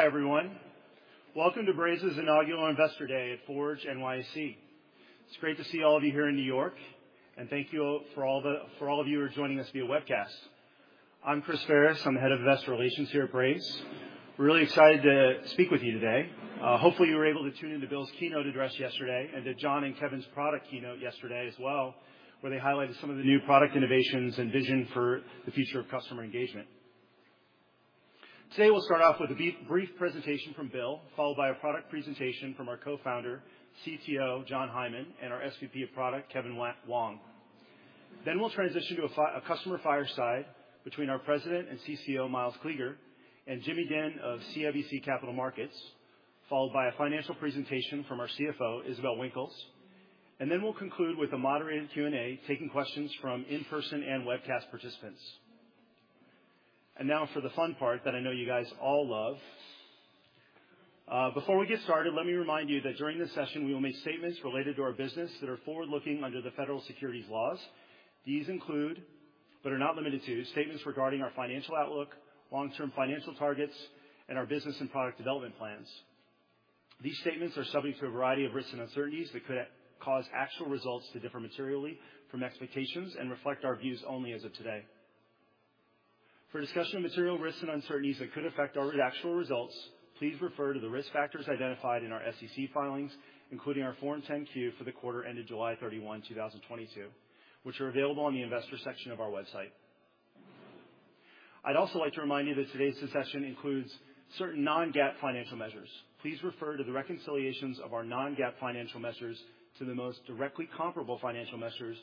Hi, everyone. Welcome to Braze's Inaugural Investor Day at Forge NYC. It's great to see all of you here in New York, and thank you all for all of you who are joining us via webcast. I'm Chris Ferris, I'm the Head of Investor Relations here at Braze. We're really excited to speak with you today. Hopefully, you were able to tune into Bill's keynote address yesterday and to Jon and Kevin's product keynote yesterday as well, where they highlighted some of the new product innovations and vision for the future of customer engagement. Today, we'll start off with a brief presentation from Bill, followed by a product presentation from our co-founder, CTO, Jon Hyman, and our SVP of product, Kevin Wang. We'll transition to a customer fireside between our president and CCO, Myles Kleeger, and Jimmy Dinh of CIBC Capital Markets, followed by a financial presentation from our CFO, Isabelle Winkles. We'll conclude with a moderated Q&A, taking questions from in-person and webcast participants. Now for the fun part that I know you guys all love. Before we get started, let me remind you that during this session, we will make statements related to our business that are forward-looking under the federal securities laws. These include, but are not limited to, statements regarding our financial outlook, long-term financial targets, and our business and product development plans. These statements are subject to a variety of risks and uncertainties that could cause actual results to differ materially from expectations and reflect our views only as of today. For a discussion of material risks and uncertainties that could affect our actual results, please refer to the risk factors identified in our SEC filings, including our Form 10-Q for the quarter ended July 31, 2022, which are available on the investor section of our website. I'd also like to remind you that today's session includes certain non-GAAP financial measures. Please refer to the reconciliations of our non-GAAP financial measures to the most directly comparable financial measures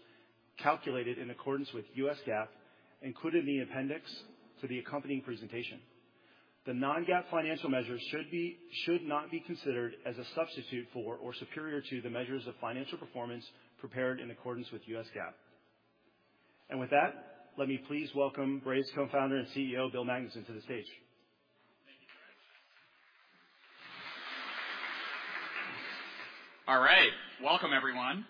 calculated in accordance with US GAAP, included in the appendix to the accompanying presentation. The non-GAAP financial measures should not be considered as a substitute for or superior to the measures of financial performance prepared in accordance with US GAAP. With that, let me please welcome Braze Co-Founder and CEO, Bill Magnuson, to the stage. Thank you very much. All right. Welcome, everyone.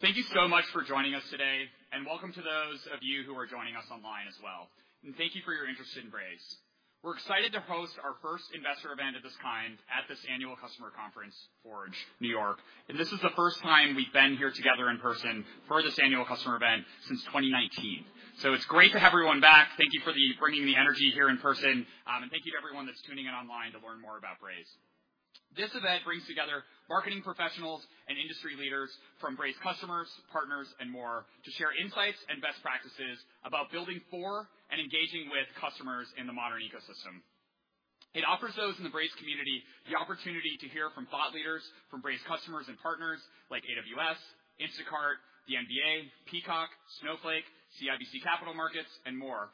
Thank you so much for joining us today, and welcome to those of you who are joining us online as well. Thank you for your interest in Braze. We're excited to host our first investor event of this kind at this annual customer conference, Forge New York. This is the first time we've been here together in person for this annual customer event since 2019. It's great to have everyone back. Thank you for bringing the energy here in person, and thank you to everyone that's tuning in online to learn more about Braze. This event brings together marketing professionals and industry leaders from Braze customers, partners and more to share insights and best practices about building for and engaging with customers in the modern ecosystem. It offers those in the Braze community the opportunity to hear from thought leaders, from Braze customers and partners like AWS, Instacart, the NBA, Peacock, Snowflake, CIBC Capital Markets, and more.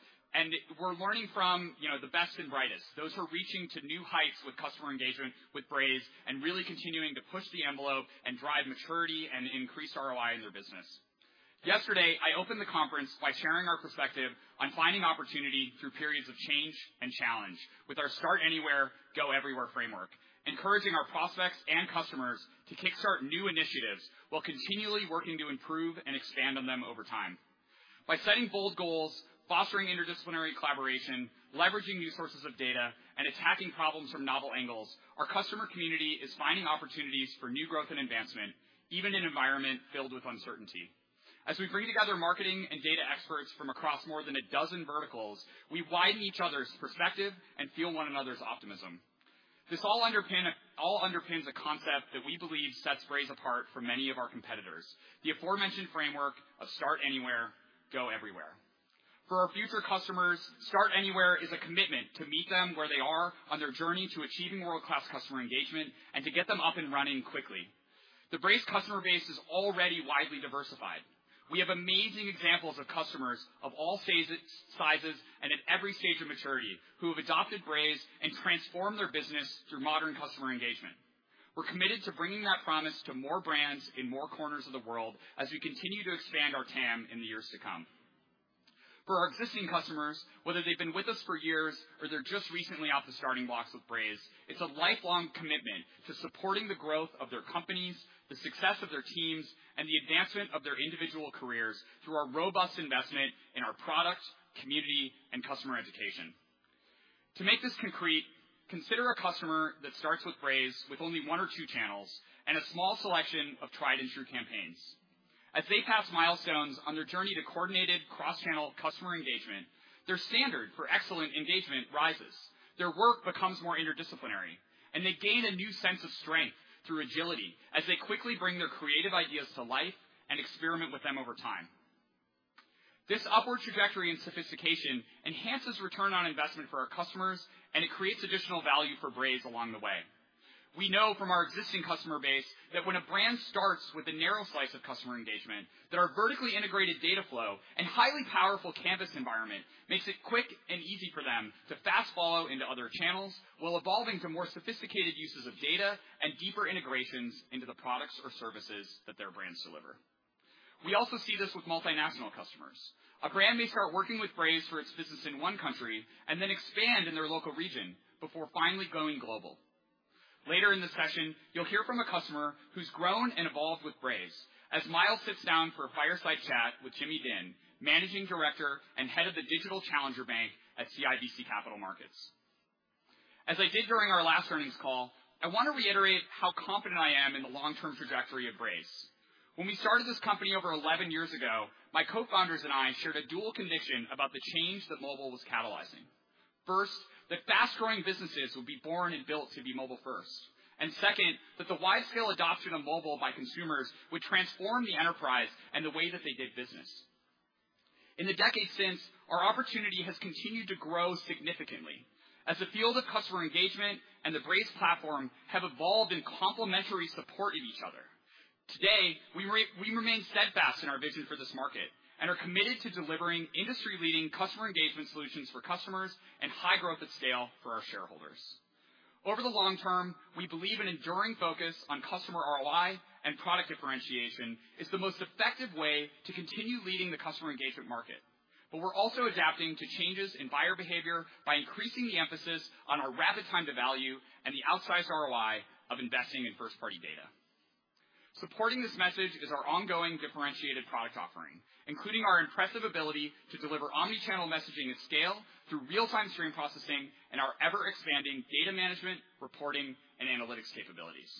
We're learning from, you know, the best and brightest, those who are reaching to new heights with customer engagement with Braze and really continuing to push the envelope and drive maturity and increase ROI in their business. Yesterday, I opened the conference by sharing our perspective on finding opportunity through periods of change and challenge with our Start Anywhere, Go Everywhere framework, encouraging our prospects and customers to kickstart new initiatives while continually working to improve and expand on them over time. By setting bold goals, fostering interdisciplinary collaboration, leveraging new sources of data, and attacking problems from novel angles, our customer community is finding opportunities for new growth and advancement, even in an environment filled with uncertainty. As we bring together marketing and data experts from across more than a dozen verticals, we widen each other's perspective and feel one another's optimism. This all underpins a concept that we believe sets Braze apart from many of our competitors, the aforementioned framework of Start Anywhere, Go Everywhere. For our future customers, Start Anywhere is a commitment to meet them where they are on their journey to achieving world-class customer engagement and to get them up and running quickly. The Braze customer base is already widely diversified. We have amazing examples of customers of all phases, sizes, and at every stage of maturity, who have adopted Braze and transformed their business through modern customer engagement. We're committed to bringing that promise to more brands in more corners of the world as we continue to expand our TAM in the years to come. For our existing customers, whether they've been with us for years or they're just recently off the starting blocks with Braze, it's a lifelong commitment to supporting the growth of their companies, the success of their teams, and the advancement of their individual careers through our robust investment in our product, community, and customer education. To make this concrete, consider a customer that starts with Braze with only one or two channels and a small selection of tried and true campaigns. As they pass milestones on their journey to coordinated cross-channel customer engagement, their standard for excellent engagement rises, their work becomes more interdisciplinary, and they gain a new sense of strength through agility as they quickly bring their creative ideas to life and experiment with them over time. This upward trajectory and sophistication enhances return on investment for our customers, and it creates additional value for Braze along the way. We know from our existing customer base that when a brand starts with a narrow slice of customer engagement, that our vertically integrated data flow and highly powerful Canvas environment makes it quick and easy for them to fast follow into other channels, while evolving to more sophisticated uses of data and deeper integrations into the products or services that their brands deliver. We also see this with multinational customers. A brand may start working with Braze for its business in one country and then expand in their local region before finally going global. Later in the session, you'll hear from a customer who's grown and evolved with Braze as Myles sits down for a fireside chat with Jimmy Dinh, Managing Director and Head of the Digital Challenger Bank at CIBC Capital Markets. As I did during our last earnings call, I want to reiterate how confident I am in the long-term trajectory of Braze. When we started this company over 11 years ago, my co-founders and I shared a dual conviction about the change that mobile was catalyzing. First, that fast-growing businesses would be born and built to be mobile first. Second, that the wide-scale adoption of mobile by consumers would transform the enterprise and the way that they did business. In the decades since, our opportunity has continued to grow significantly as the field of customer engagement and the Braze platform have evolved in complementary support of each other. Today, we remain steadfast in our vision for this market and are committed to delivering industry-leading customer engagement solutions for customers and high growth at scale for our shareholders. Over the long term, we believe an enduring focus on customer ROI and product differentiation is the most effective way to continue leading the customer engagement market. We're also adapting to changes in buyer behavior by increasing the emphasis on our rapid time to value and the outsized ROI of investing in first-party data. Supporting this message is our ongoing differentiated product offering, including our impressive ability to deliver omni-channel messaging at scale through real-time stream processing and our ever-expanding data management, reporting, and analytics capabilities.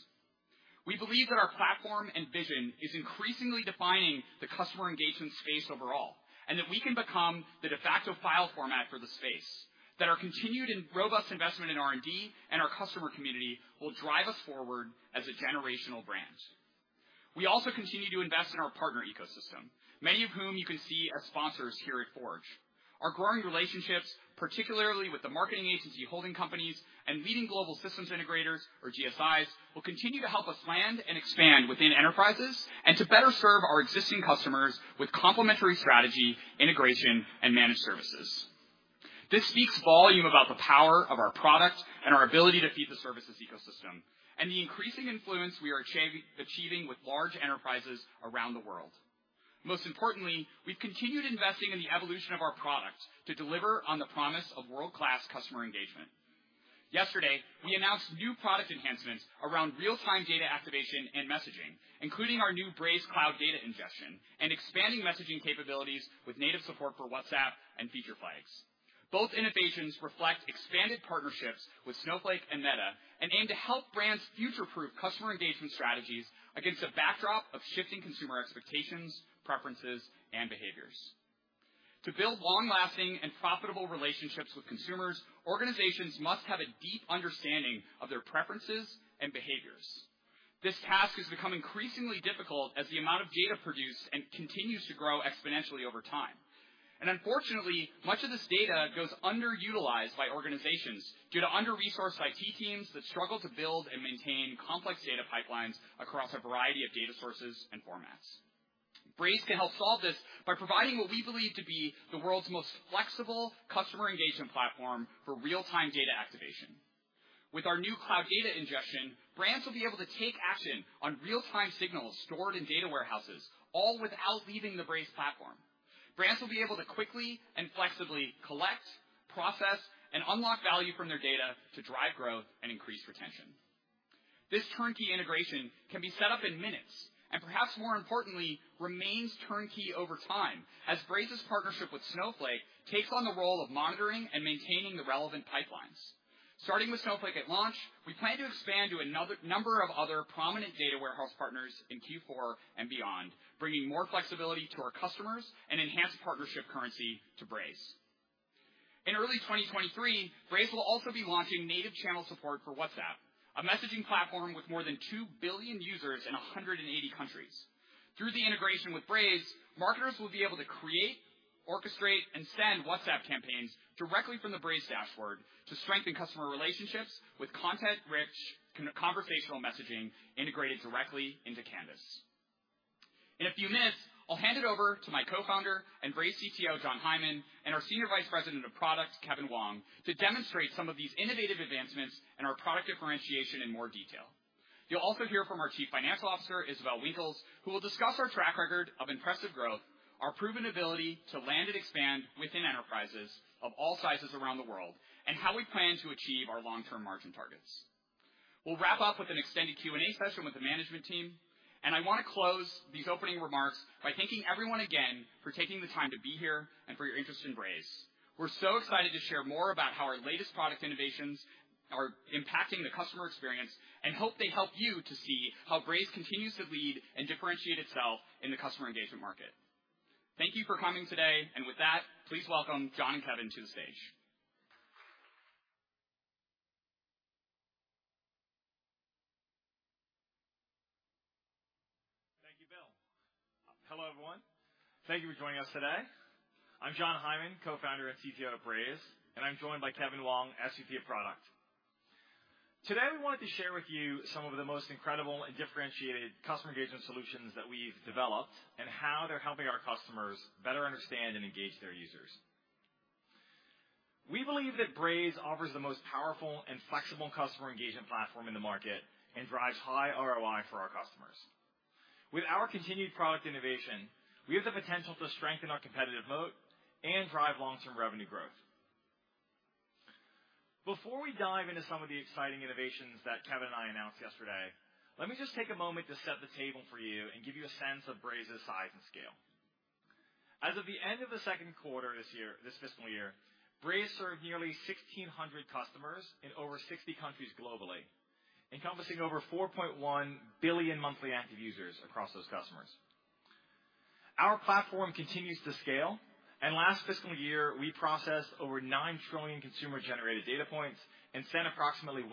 We believe that our platform and vision is increasingly defining the customer engagement space overall, and that we can become the de facto file format for the space, that our continued and robust investment in R&D and our customer community will drive us forward as a generational brand. We also continue to invest in our partner ecosystem, many of whom you can see as sponsors here at Forge. Our growing relationships, particularly with the marketing agency holding companies and leading global systems integrators or GSIs, will continue to help us land and expand within enterprises and to better serve our existing customers with complementary strategy, integration, and managed services. This speaks volumes about the power of our product and our ability to feed the services ecosystem and the increasing influence we are achieving with large enterprises around the world. Most importantly, we've continued investing in the evolution of our product to deliver on the promise of world-class customer engagement. Yesterday, we announced new product enhancements around real-time data activation and messaging, including our new Braze Cloud Data Ingestion and expanding messaging capabilities with native support for WhatsApp and Feature Flags. Both innovations reflect expanded partnerships with Snowflake and Meta, and aim to help brands future-proof customer engagement strategies against a backdrop of shifting consumer expectations, preferences, and behaviors. To build long-lasting and profitable relationships with consumers, organizations must have a deep understanding of their preferences and behaviors. This task has become increasingly difficult as the amount of data produced and continues to grow exponentially over time. Unfortunately, much of this data goes underutilized by organizations due to under-resourced IT teams that struggle to build and maintain complex data pipelines across a variety of data sources and formats. Braze can help solve this by providing what we believe to be the world's most flexible customer engagement platform for real-time data activation. With our new Cloud Data Ingestion, brands will be able to take action on real-time signals stored in data warehouses, all without leaving the Braze platform. Brands will be able to quickly and flexibly collect, process, and unlock value from their data to drive growth and increase retention. This turnkey integration can be set up in minutes, and perhaps more importantly, remains turnkey over time as Braze's partnership with Snowflake takes on the role of monitoring and maintaining the relevant pipelines. Starting with Snowflake at launch, we plan to expand to a number of other prominent data warehouse partners in Q4 and beyond, bringing more flexibility to our customers and enhanced partnership currency to Braze. In early 2023, Braze will also be launching native channel support for WhatsApp, a messaging platform with more than two billion users in 180 countries. Through the integration with Braze, marketers will be able to create, orchestrate, and send WhatsApp campaigns directly from the Braze dashboard to strengthen customer relationships with content-rich conversational messaging integrated directly into Canvas. In a few minutes, I'll hand it over to my co-founder and Braze CTO, Jon Hyman, and our Senior Vice President of Products, Kevin Wang, to demonstrate some of these innovative advancements and our product differentiation in more detail. You'll also hear from our Chief Financial Officer, Isabelle Winkles, who will discuss our track record of impressive growth, our proven ability to land and expand within enterprises of all sizes around the world, and how we plan to achieve our long-term margin targets. We'll wrap up with an extended Q&A session with the management team, and I want to close these opening remarks by thanking everyone again for taking the time to be here and for your interest in Braze. We're so excited to share more about how our latest product innovations are impacting the customer experience and hope they help you to see how Braze continues to lead and differentiate itself in the customer engagement market. Thank you for coming today. With that, please welcome Jon and Kevin to the stage. Thank you, Bill. Hello, everyone. Thank you for joining us today. I'm Jon Hyman, Co-Founder and CTO of Braze, and I'm joined by Kevin Wang, SVP of Product. Today, we wanted to share with you some of the most incredible and differentiated customer engagement solutions that we've developed and how they're helping our customers better understand and engage their users. We believe that Braze offers the most powerful and flexible customer engagement platform in the market and drives high ROI for our customers. With our continued product innovation, we have the potential to strengthen our competitive moat and drive long-term revenue growth. Before we dive into some of the exciting innovations that Kevin and I announced yesterday, let me just take a moment to set the table for you and give you a sense of Braze's size and scale. As of the end of the second quarter this year, this fiscal year, Braze served nearly 1,600 customers in over 60 countries globally, encompassing over 4.1 billion monthly active users across those customers. Our platform continues to scale, and last fiscal year, we processed over nine trillion consumer-generated data points and sent approximately 1.5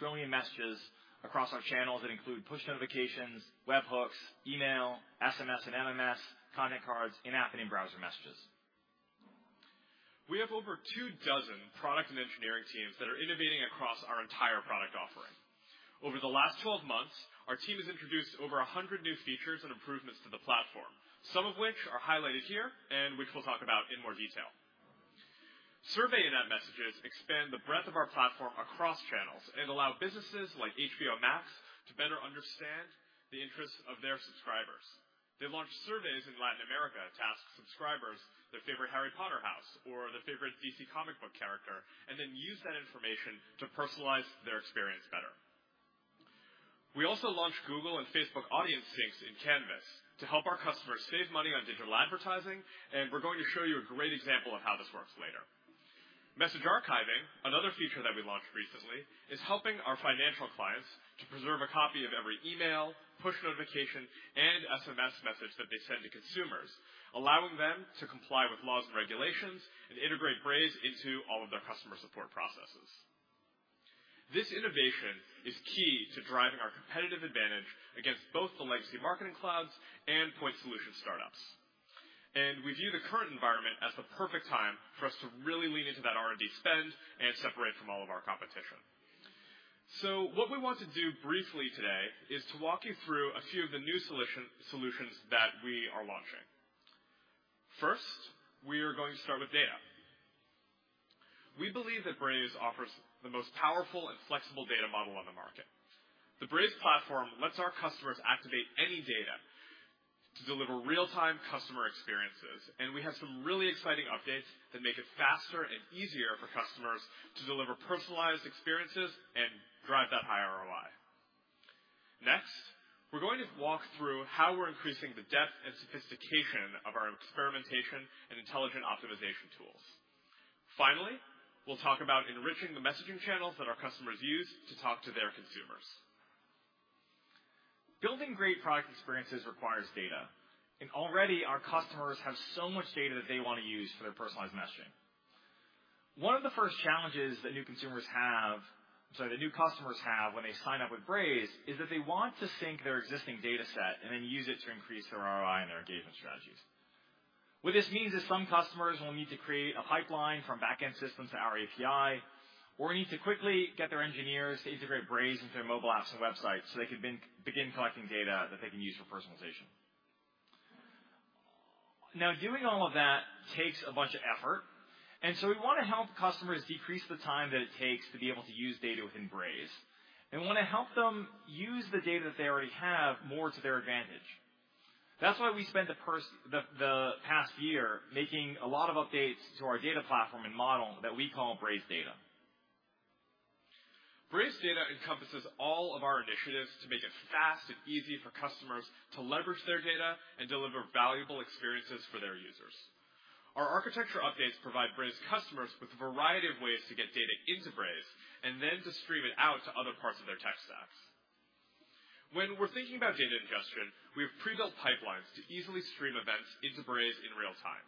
trillion messages across our channels that include push notifications, webhooks, email, SMS, and MMS, Content Cards, in-app, and in-browser messages. We have over 24 product and engineering teams that are innovating across our entire product offering. Over the last 12 months, our team has introduced over 100 new features and improvements to the platform, some of which are highlighted here and which we'll talk about in more detail. Survey in-app messages expand the breadth of our platform across channels and allow businesses like HBO Max to better understand the interests of their subscribers. They launched surveys in Latin America to ask subscribers their favorite Harry Potter house or their favorite DC comic book character, and then use that information to personalize their experience better. We also launched Google and Facebook Audience Sync in Canvas to help our customers save money on digital advertising, and we're going to show you a great example of how this works later. Message archiving, another feature that we launched recently, is helping our financial clients to preserve a copy of every email, push notification, and SMS message that they send to consumers, allowing them to comply with laws and regulations and integrate Braze into all of their customer support processes. This innovation is key to driving our competitive advantage against both the legacy marketing clouds and point solution startups. We view the current environment as the perfect time for us to really lean into that R&D spend and separate from all of our competition. What we want to do briefly today is to walk you through a few of the new solutions that we are launching. First, we are going to start with data. We believe that Braze offers the most powerful and flexible data model on the market. The Braze platform lets our customers activate any data to deliver real-time customer experiences, and we have some really exciting updates that make it faster and easier for customers to deliver personalized experiences and drive that high ROI. Next, we're going to walk through how we're increasing the depth and sophistication of our experimentation and intelligent optimization tools. Finally, we'll talk about enriching the messaging channels that our customers use to talk to their consumers. Building great product experiences requires data, and already our customers have so much data that they wanna use for their personalized messaging. One of the first challenges that new consumers have, sorry, that new customers have when they sign up with Braze, is that they want to sync their existing data set and then use it to increase their ROI and their engagement strategies. What this means is some customers will need to create a pipeline from back-end systems to our API or need to quickly get their engineers to integrate Braze into their mobile apps and websites so they can begin collecting data that they can use for personalization. Now, doing all of that takes a bunch of effort, and so we wanna help customers decrease the time that it takes to be able to use data within Braze, and we wanna help them use the data that they already have more to their advantage. That's why we spent the past year making a lot of updates to our data platform and model that we call Braze Data. Braze Data encompasses all of our initiatives to make it fast and easy for customers to leverage their data and deliver valuable experiences for their users. Our architecture updates provide Braze customers with a variety of ways to get data into Braze and then to stream it out to other parts of their tech stacks. When we're thinking about data ingestion, we have pre-built pipelines to easily stream events into Braze in real time.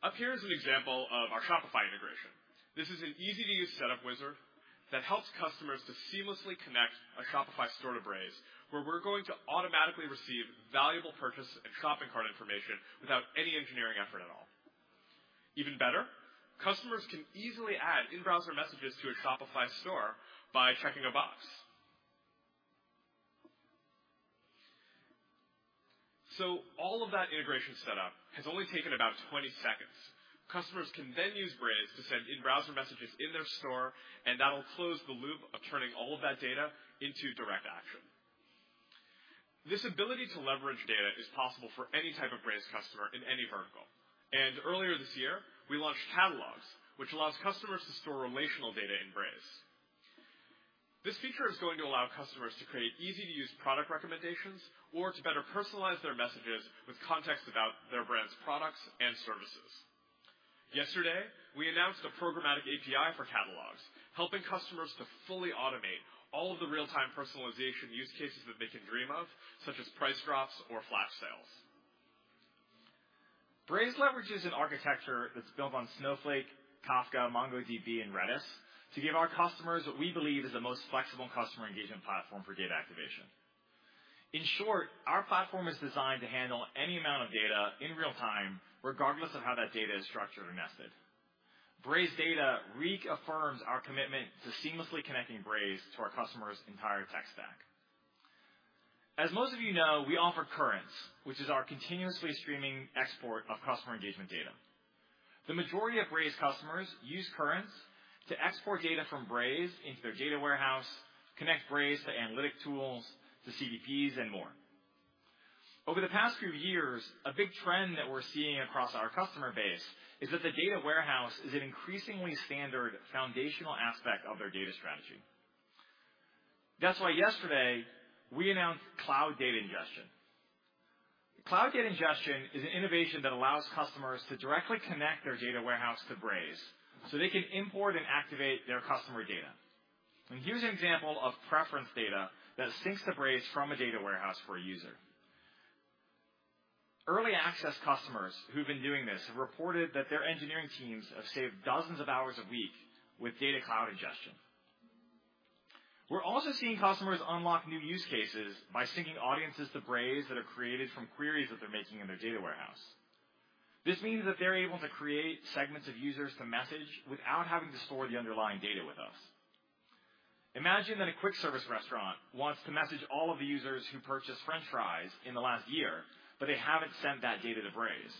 Up here is an example of our Shopify integration. This is an easy-to-use setup wizard that helps customers to seamlessly connect a Shopify store to Braze, where we're going to automatically receive valuable purchase and shopping cart information without any engineering effort at all. Even better, customers can easily add in-browser messages to a Shopify store by checking a box. All of that integration setup has only taken about 20 seconds. Customers can then use Braze to send in-browser messages in their store, and that'll close the loop of turning all of that data into direct action. This ability to leverage data is possible for any type of Braze customer in any vertical. Earlier this year, we launched Catalogs, which allows customers to store relational data in Braze. This feature is going to allow customers to create easy-to-use product recommendations or to better personalize their messages with context about their brand's products and services. Yesterday, we announced a programmatic API for catalogs, helping customers to fully automate all of the real-time personalization use cases that they can dream of, such as price drops or flash sales. Braze leverages an architecture that's built on Snowflake, Kafka, MongoDB, and Redis to give our customers what we believe is the most flexible customer engagement platform for data activation. In short, our platform is designed to handle any amount of data in real time, regardless of how that data is structured or nested. Braze Data reaffirms our commitment to seamlessly connecting Braze to our customers' entire tech stack. As most of you know, we offer Currents, which is our continuously streaming export of customer engagement data. The majority of Braze customers use Currents to export data from Braze into their data warehouse, connect Braze to analytic tools, to CDPs, and more. Over the past few years, a big trend that we're seeing across our customer base is that the data warehouse is an increasingly standard foundational aspect of their data strategy. That's why yesterday we announced Cloud Data Ingestion. Cloud Data Ingestion is an innovation that allows customers to directly connect their data warehouse to Braze so they can import and activate their customer data. Here's an example of preference data that syncs to Braze from a data warehouse for a user. Early access customers who've been doing this have reported that their engineering teams have saved dozens of hours a week with Cloud Data Ingestion. We're also seeing customers unlock new use cases by syncing audiences to Braze that are created from queries that they're making in their data warehouse. This means that they're able to create segments of users to message without having to store the underlying data with us. Imagine that a quick-service restaurant wants to message all of the users who purchased french fries in the last year, but they haven't sent that data to Braze.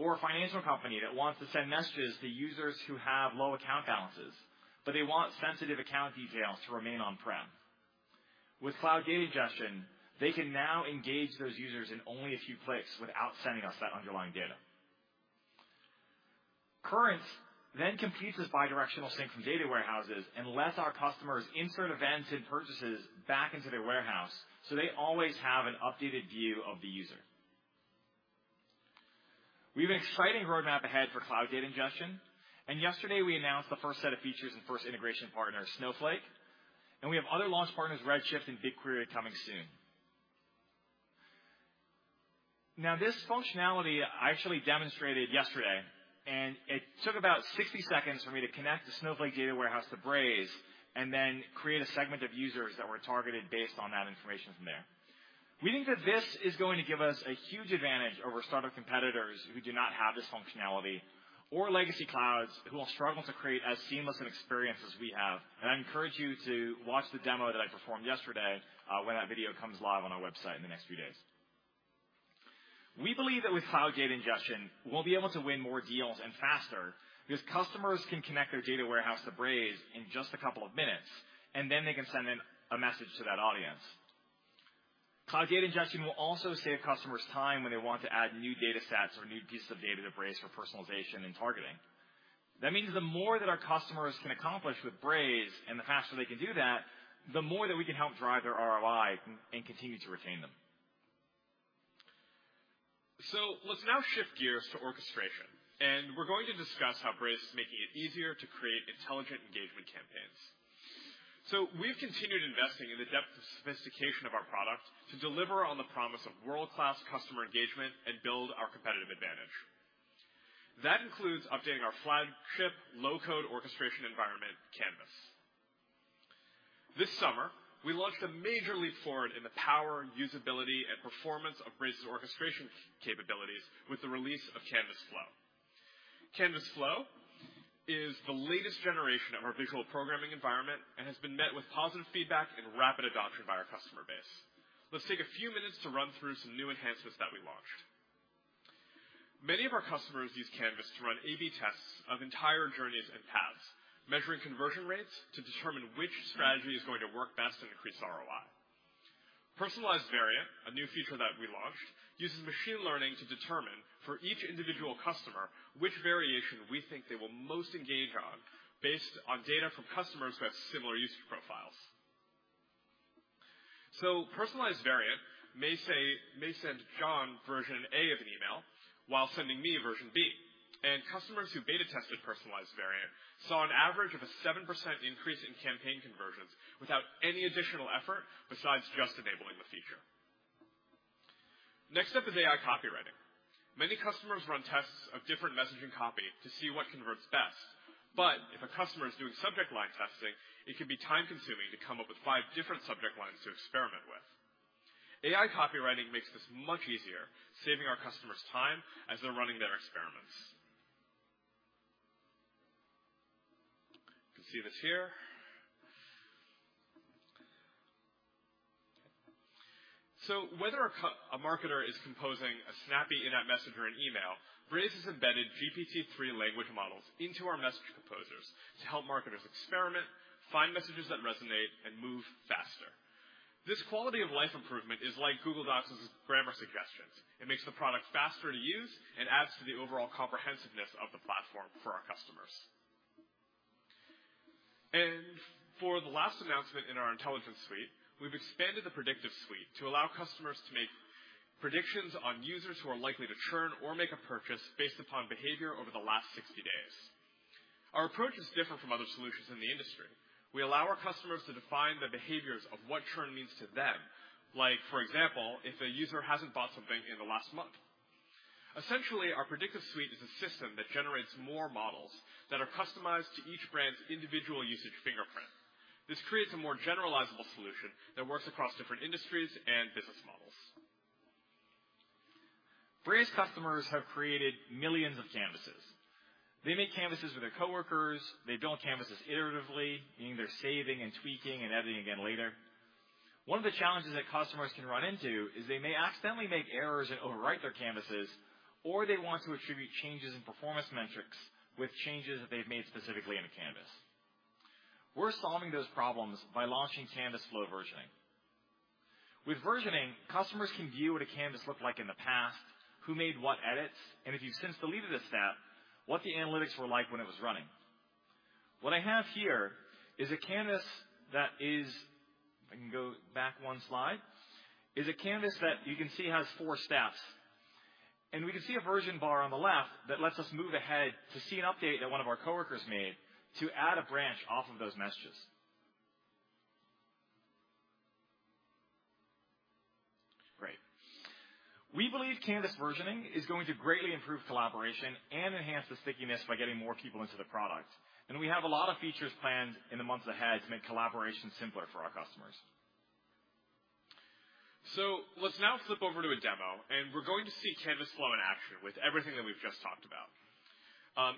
A financial company that wants to send messages to users who have low account balances, but they want sensitive account details to remain on-prem. With Cloud Data Ingestion, they can now engage those users in only a few clicks without sending us that underlying data. Currents then computes this bi-directional sync from data warehouses and lets our customers insert events and purchases back into their warehouse, so they always have an updated view of the user. We have an exciting roadmap ahead for Cloud Data Ingestion, and yesterday we announced the first set of features and first integration partner, Snowflake. We have other launch partners, Redshift and BigQuery, coming soon. Now, this functionality I actually demonstrated yesterday, and it took about 60 seconds for me to connect the Snowflake data warehouse to Braze and then create a segment of users that were targeted based on that information from there. We think that this is going to give us a huge advantage over startup competitors who do not have this functionality or legacy clouds who will struggle to create as seamless an experience as we have. I encourage you to watch the demo that I performed yesterday, when that video comes live on our website in the next few days. We believe that with Cloud Data Ingestion, we'll be able to win more deals and faster because customers can connect their data warehouse to Braze in just a couple of minutes, and then they can send in a message to that audience. Cloud Data Ingestion will also save customers time when they want to add new data sets or new pieces of data to Braze for personalization and targeting. That means the more that our customers can accomplish with Braze and the faster they can do that, the more that we can help drive their ROI and continue to retain them. Let's now shift gears to orchestration, and we're going to discuss how Braze is making it easier to create intelligent engagement campaigns. We've continued investing in the depth of sophistication of our product to deliver on the promise of world-class customer engagement and build our competitive advantage. That includes updating our flagship low-code orchestration environment, Canvas. This summer, we launched a major leap forward in the power, usability, and performance of Braze's orchestration capabilities with the release of Canvas Flow. Canvas Flow is the latest generation of our visual programming environment and has been met with positive feedback and rapid adoption by our customer base. Let's take a few minutes to run through some new enhancements that we launched. Many of our customers use Canvas to run A/B tests of entire journeys and paths, measuring conversion rates to determine which strategy is going to work best and increase ROI. Personalized Variant, a new feature that we launched, uses machine learning to determine for each individual customer which variation we think they will most engage on based on data from customers who have similar usage profiles. Personalized Variant may send John version A of an email while sending me version B. Customers who beta tested Personalized Variant saw an average of a 7% increase in campaign conversions without any additional effort besides just enabling the feature. Next up is AI copywriting. Many customers run tests of different messaging copy to see what converts best. If a customer is doing subject line testing, it can be time-consuming to come up with five different subject lines to experiment with. AI copywriting makes this much easier, saving our customers time as they're running their experiments. You can see this here. Whether a marketer is composing a snappy in-app message or an email, Braze has embedded GPT-3 language models into our message composers to help marketers experiment, find messages that resonate, and move faster. This quality-of-life improvement is like Google Docs' grammar suggestions. It makes the product faster to use and adds to the overall comprehensiveness of the platform for our customers. For the last announcement in our intelligence suite, we've expanded the Predictive Suite to allow customers to make predictions on users who are likely to churn or make a purchase based upon behavior over the last 60 days. Our approach is different from other solutions in the industry. We allow our customers to define the behaviors of what churn means to them. Like, for example, if a user hasn't bought something in the last month. Essentially, our Predictive Suite is a system that generates more models that are customized to each brand's individual usage fingerprint. This creates a more generalizable solution that works across different industries and business models. Braze customers have created millions of Canvases. They make Canvases with their coworkers. They build Canvases iteratively, meaning they're saving and tweaking and editing again later. One of the challenges that customers can run into is they may accidentally make errors and overwrite their Canvases, or they want to attribute changes in performance metrics with changes that they've made specifically in a Canvas. We're solving those problems by launching Canvas Flow Versioning. With versioning, customers can view what a Canvas looked like in the past, who made what edits, and if you've since deleted a step, what the analytics were like when it was running. What I have here is a Canvas that you can see has four steps, and we can see a version bar on the left that lets us move ahead to see an update that one of our coworkers made to add a branch off of those messages. Great. We believe Canvas versioning is going to greatly improve collaboration and enhance the stickiness by getting more people into the product. We have a lot of features planned in the months ahead to make collaboration simpler for our customers. Let's now flip over to a demo, and we're going to see Canvas Flow in action with everything that we've just talked about.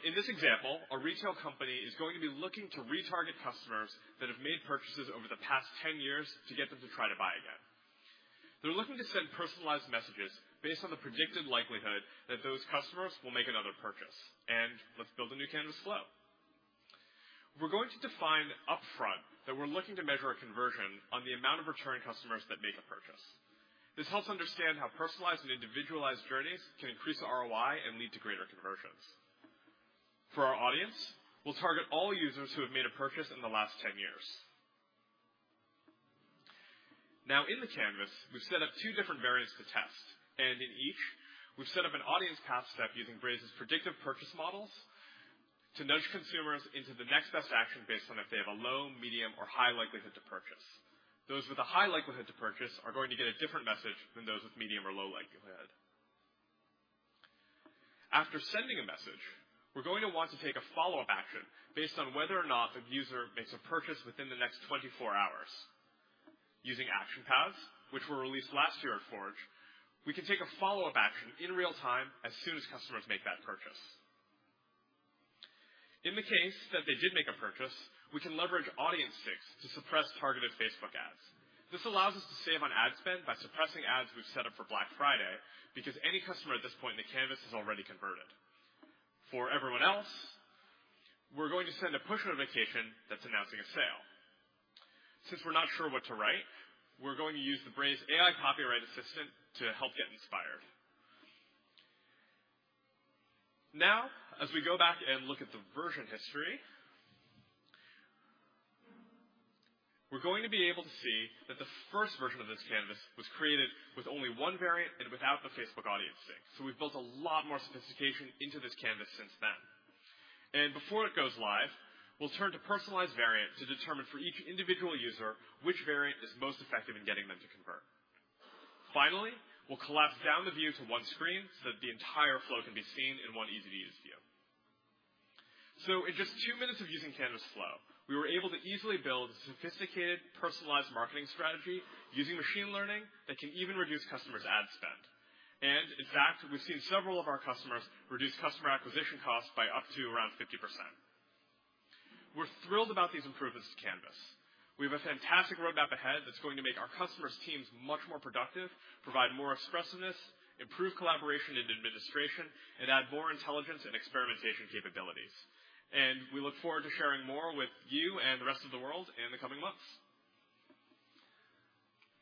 In this example, a retail company is going to be looking to retarget customers that have made purchases over the past 10 years to get them to try to buy again. They're looking to send personalized messages based on the predicted likelihood that those customers will make another purchase. Let's build a new Canvas Flow. We're going to define upfront that we're looking to measure a conversion on the amount of returning customers that make a purchase. This helps understand how personalized and individualized journeys can increase ROI and lead to greater conversions. For our audience, we'll target all users who have made a purchase in the last 10 years. Now, in the Canvas, we've set up two different variants to test, and in each, we've set up an audience path step using Braze's predictive purchase models to nudge consumers into the next best action based on if they have a low, medium, or high likelihood to purchase. Those with a high likelihood to purchase are going to get a different message than those with medium or low likelihood. After sending a message, we're going to want to take a follow-up action based on whether or not the user makes a purchase within the next 24 hours. Using Action Paths, which were released last year at Forge, we can take a follow-up action in real time as soon as customers make that purchase. In the case that they did make a purchase, we can leverage Audience Syncs to suppress targeted Facebook ads. This allows us to save on ad spend by suppressing ads we've set up for Black Friday because any customer at this point in the Canvas has already converted. For everyone else, we're going to send a push notification that's announcing a sale. Since we're not sure what to write, we're going to use the Braze AI Copywriting Assistant to help get inspired. Now, as we go back and look at the version history, we're going to be able to see that the first version of this Canvas was created with only one variant and without the Facebook Audience Sync. We've built a lot more sophistication into this Canvas since then. Before it goes live, we'll turn to Personalized Variant to determine for each individual user which variant is most effective in getting them to convert. Finally, we'll collapse down the view to one screen so that the entire flow can be seen in one easy-to-use view. In just two minutes of using Canvas Flow, we were able to easily build a sophisticated, personalized marketing strategy using machine learning that can even reduce customers' ad spend. In fact, we've seen several of our customers reduce customer acquisition costs by up to around 50%. We're thrilled about these improvements to Canvas. We have a fantastic roadmap ahead that's going to make our customers' teams much more productive, provide more expressiveness, improve collaboration and administration, and add more intelligence and experimentation capabilities. We look forward to sharing more with you and the rest of the world in the coming months.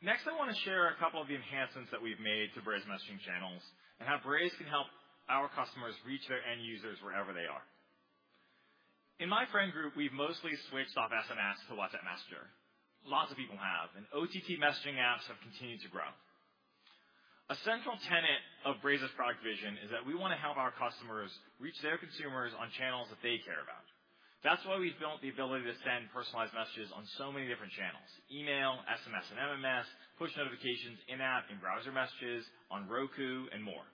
Next, I want to share a couple of the enhancements that we've made to Braze messaging channels and how Braze can help our customers reach their end users wherever they are. In my friend group, we've mostly switched off SMS to WhatsApp Messenger. Lots of people have, and OTT messaging apps have continued to grow. A central tenet of Braze's product vision is that we want to help our customers reach their consumers on channels that they care about. That's why we've built the ability to send personalized messages on so many different channels, email, SMS, and MMS, push notifications, in-app and browser messages, on Roku, and more.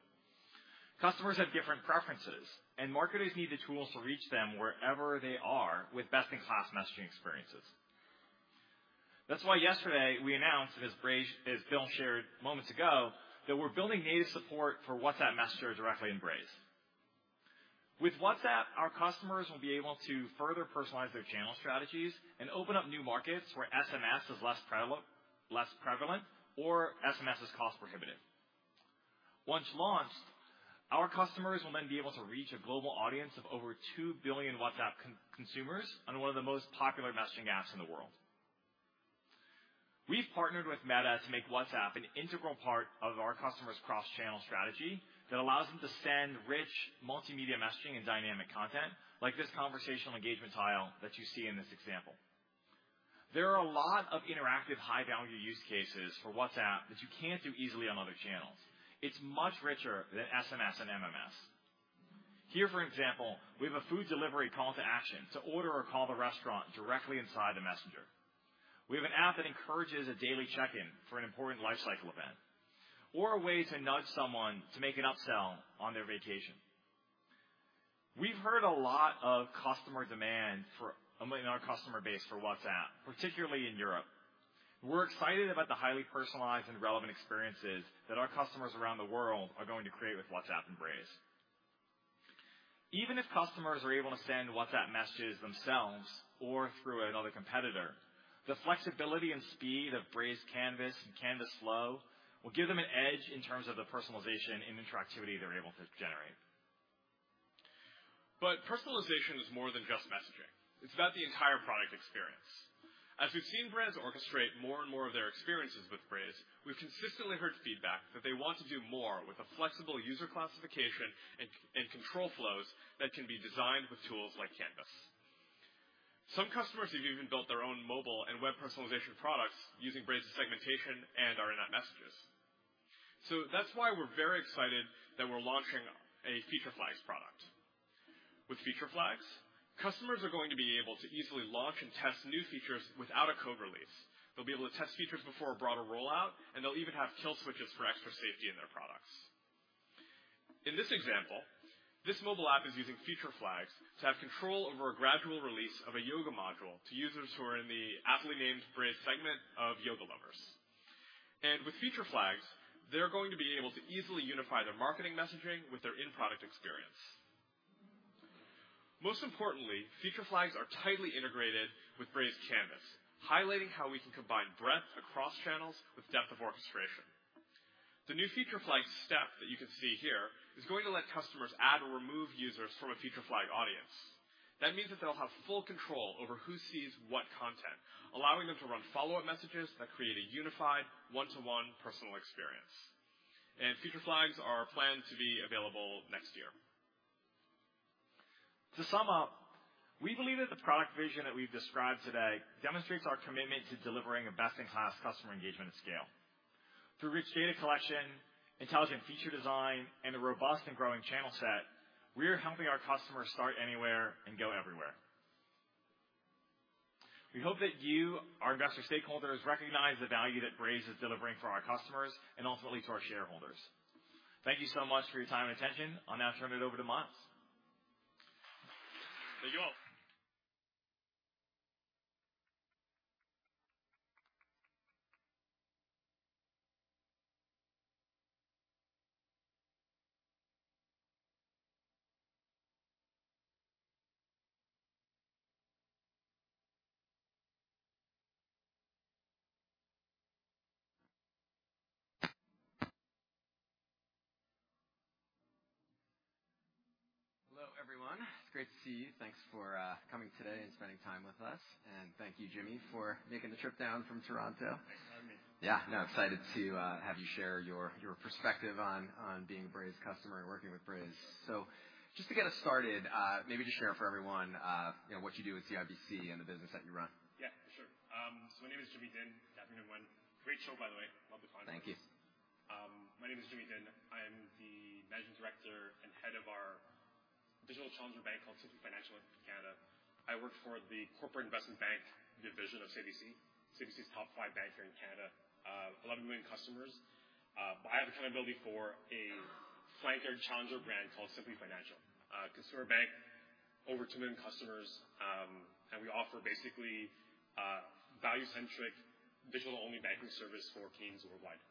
Customers have different preferences, and marketers need the tools to reach them wherever they are with best-in-class messaging experiences. That's why yesterday we announced, as Bill shared moments ago, that we're building native support for WhatsApp Messenger directly in Braze. With WhatsApp, our customers will be able to further personalize their channel strategies and open up new markets where SMS is less prevalent or SMS is cost-prohibitive. Once launched, our customers will be able to reach a global audience of over two billion WhatsApp consumers on one of the most popular messaging apps in the world. We've partnered with Meta to make WhatsApp an integral part of our customers' cross-channel strategy that allows them to send rich multimedia messaging and dynamic content like this conversational engagement tile that you see in this example. There are a lot of interactive high-value use cases for WhatsApp that you can't do easily on other channels. It's much richer than SMS and MMS. Here, for example, we have a food delivery call to action to order or call the restaurant directly inside the messenger. We have an app that encourages a daily check-in for an important lifecycle event or a way to nudge someone to make an upsell on their vacation. We've heard a lot of customer demand in our customer base for WhatsApp, particularly in Europe. We're excited about the highly personalized and relevant experiences that our customers around the world are going to create with WhatsApp and Braze. Even if customers are able to send WhatsApp messages themselves or through another competitor, the flexibility and speed of Braze Canvas and Canvas Flow will give them an edge in terms of the personalization and interactivity they're able to generate. Personalization is more than just messaging. It's about the entire product experience. As we've seen brands orchestrate more and more of their experiences with Braze, we've consistently heard feedback that they want to do more with a flexible user classification and control flows that can be designed with tools like Canvas. Some customers have even built their own mobile and web personalization products using Braze's segmentation and in-app messages. That's why we're very excited that we're launching a Feature Flags product. With Feature Flags, customers are going to be able to easily launch and test new features without a code release. They'll be able to test features before a broader rollout, and they'll even have kill switches for extra safety in their products. In this example, this mobile app is using Feature Flags to have control over a gradual release of a yoga module to users who are in the aptly named Braze segment of yoga lovers. With Feature Flags, they're going to be able to easily unify their marketing messaging with their in-product experience. Most importantly, Feature Flags are tightly integrated with Braze Canvas, highlighting how we can combine breadth across channels with depth of orchestration. The new Feature Flags step that you can see here is going to let customers add or remove users from a Feature Flag audience. That means that they'll have full control over who sees what content, allowing them to run follow-up messages that create a unified one-to-one personal experience. Feature Flags are planned to be available next year. To sum up, we believe that the product vision that we've described today demonstrates our commitment to delivering a best-in-class customer engagement scale. Through rich data collection, intelligent feature design, and a robust and growing channel set, we are helping our customers start anywhere and go everywhere. We hope that you, our investor stakeholders, recognize the value that Braze is delivering for our customers and ultimately to our shareholders. Thank you so much for your time and attention. I'll now turn it over to Myles. Thank you all. Hello, everyone. It's great to see you. Thanks for coming today and spending time with us. Thank you, Jimmy, for making the trip down from Toronto. Thanks for having me. Yeah. No, excited to have you share your perspective on being a Braze customer and working with Braze. Just to get us started, maybe just share for everyone, you know, what you do at CIBC and the business that you run. Yeah, sure. My name is Jimmy Dinh. Good afternoon, everyone. Thank you. My name is Jimmy Dinh. I am the Managing Director and head of our digital challenger bank called Simplii Financial in Canada. I work for the corporate investment bank division of CIBC. CIBC is top five bank here in Canada. 11 million customers. But I have accountability for a flanker challenger brand called Simplii Financial. Consumer bank, over two million customers, and we offer basically value-centric digital-only banking service for Canadians worldwide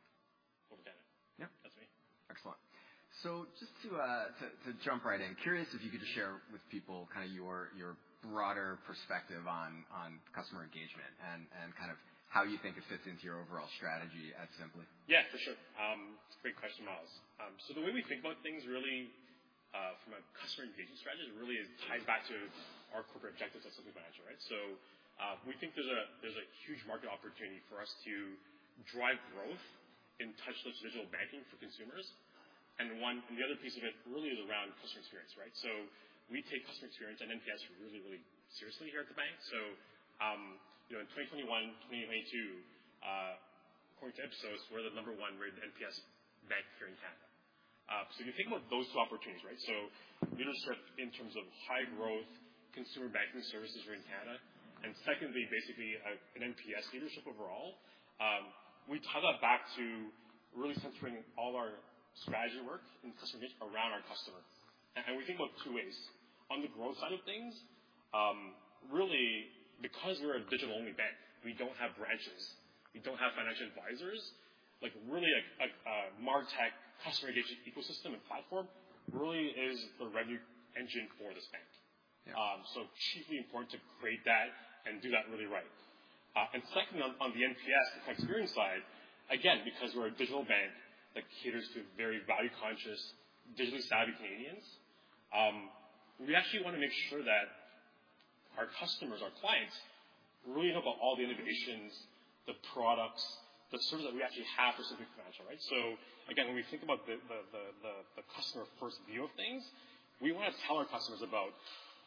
over Canada. Yeah. That's me. Excellent. Just to jump right in. Curious if you could just share with people kinda your broader perspective on customer engagement and kind of how you think it fits into your overall strategy at Simplii. Yeah, for sure. It's a great question, Myles. The way we think about things really, from a customer engagement strategy really ties back to our corporate objectives at Simplii Financial, right? We think there's a huge market opportunity for us to drive growth in touchless digital banking for consumers. The other piece of it really is around customer experience, right? We take customer experience and NPS really, really seriously here at the bank. You know, in 2021, 2022, Forrester says we're the number one rated NPS bank here in Canada. If you think about those two opportunities, right? We're gonna start in terms of high growth consumer banking services here in Canada, and secondly, basically an NPS leadership overall. We tie that back to really centering all our strategy work in customer engagement around our customer. We think about two ways. On the growth side of things, really because we're a digital-only bank, we don't have branches, we don't have financial advisors. Like, really a martech customer engagement ecosystem and platform really is the revenue engine for this bank. Yeah. It's important to create that and do that really right. Second, on the NPS experience side, again, because we're a digital bank that caters to very value-conscious, digitally savvy Canadians, we actually wanna make sure that our customers, our clients really know about all the innovations, the products, the services that we actually have at Simplii Financial, right? Again, when we think about the customer first view of things, we wanna tell our customers about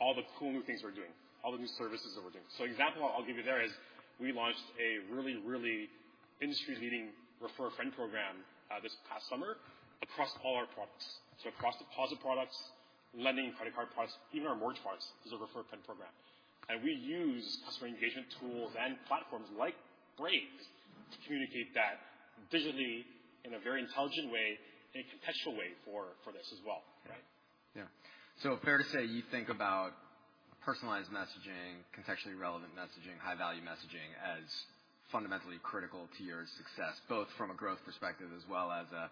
all the cool new things we're doing, all the new services that we're doing. Example I'll give you there is we launched a really industry-leading refer a friend program this past summer across all our products. Across deposit products, lending credit card products, even our mortgage products is a refer a friend program. We use customer engagement tools and platforms like Braze to communicate that digitally in a very intelligent way and a contextual way for this as well, right? Fair to say you think about- Personalized messaging, contextually relevant messaging, high value messaging as fundamentally critical to your success, both from a growth perspective as well as a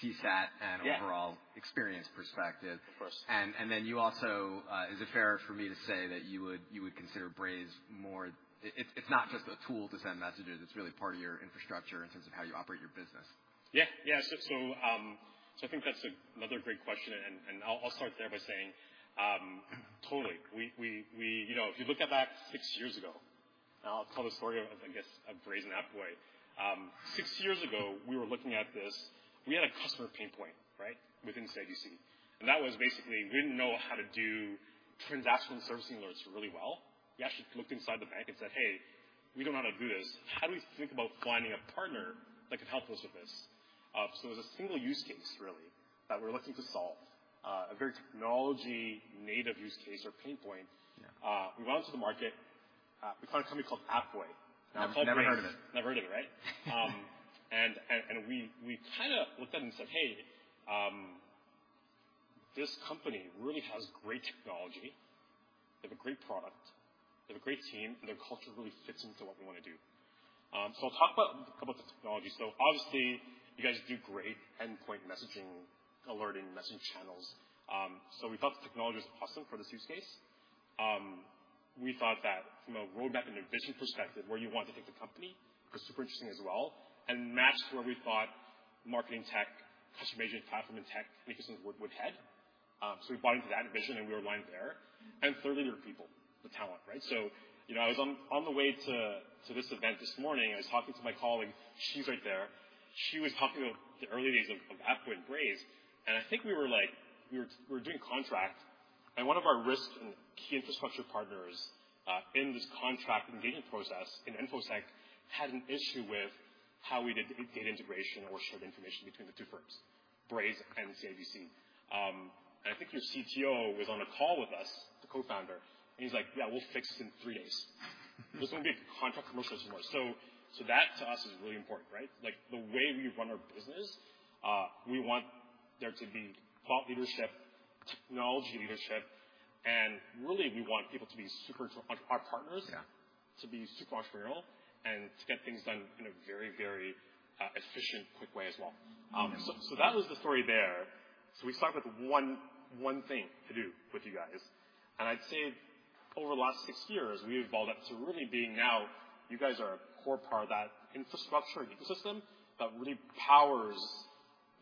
CSAT and Yeah. Overall experience perspective. Of course. Is it fair for me to say that you would consider Braze more. It's not just a tool to send messages, it's really part of your infrastructure in terms of how you operate your business. Yeah. Yeah. So I think that's another great question, and I'll start there by saying, totally. We you know, if you look at that six years ago, and I'll tell the story of, I guess, of Braze and Appboy. Six years ago, we were looking at this. We had a customer pain point, right? Within CIBC. That was basically we didn't know how to do transactional servicing alerts really well. We actually looked inside the bank and said, "Hey, we don't know how to do this. How do we think about finding a partner that could help us with this?" It was a single use case really that we were looking to solve, a very technology native use case or pain point. Yeah. We went onto the market. We found a company called Appboy. Now called Braze. Never heard of it. Never heard of it, right? We kind of looked at it and said, "Hey, this company really has great technology. They have a great product. They have a great team, and their culture really fits into what we want to do." I'll talk about a couple of the technologies. Obviously you guys do great endpoint messaging, alerting message channels. We thought the technology was awesome for this use case. We thought that from a roadmap and a vision perspective, where you want to take the company was super interesting as well, and matched where we thought marketing tech, customer engagement platform and tech ecosystems would head. We bought into that vision and we were aligned there. Thirdly, there were people, the talent, right? You know, I was on the way to this event this morning. I was talking to my colleague. She's right there. She was talking about the early days of Appboy and Braze, and I think we were doing contract and one of our risk and key infrastructure partners in this contract engagement process in InfoSec had an issue with how we did data integration or shared information between the two firms, Braze and CIBC. I think your CTO was on a call with us, the co-founder, and he's like, "Yeah, we'll fix this in three days." This is gonna be a contract commercial tomorrow. That to us is really important, right? Like, the way we run our business, we want there to be thought leadership, technology leadership, and really we want people to be super. Our partners. Yeah. to be super entrepreneurial and to get things done in a very efficient, quick way as well. Mm-hmm. That was the story there. We started with one thing to do with you guys, and I'd say over the last six years, we evolved up to really being now you guys are a core part of that infrastructure ecosystem that really powers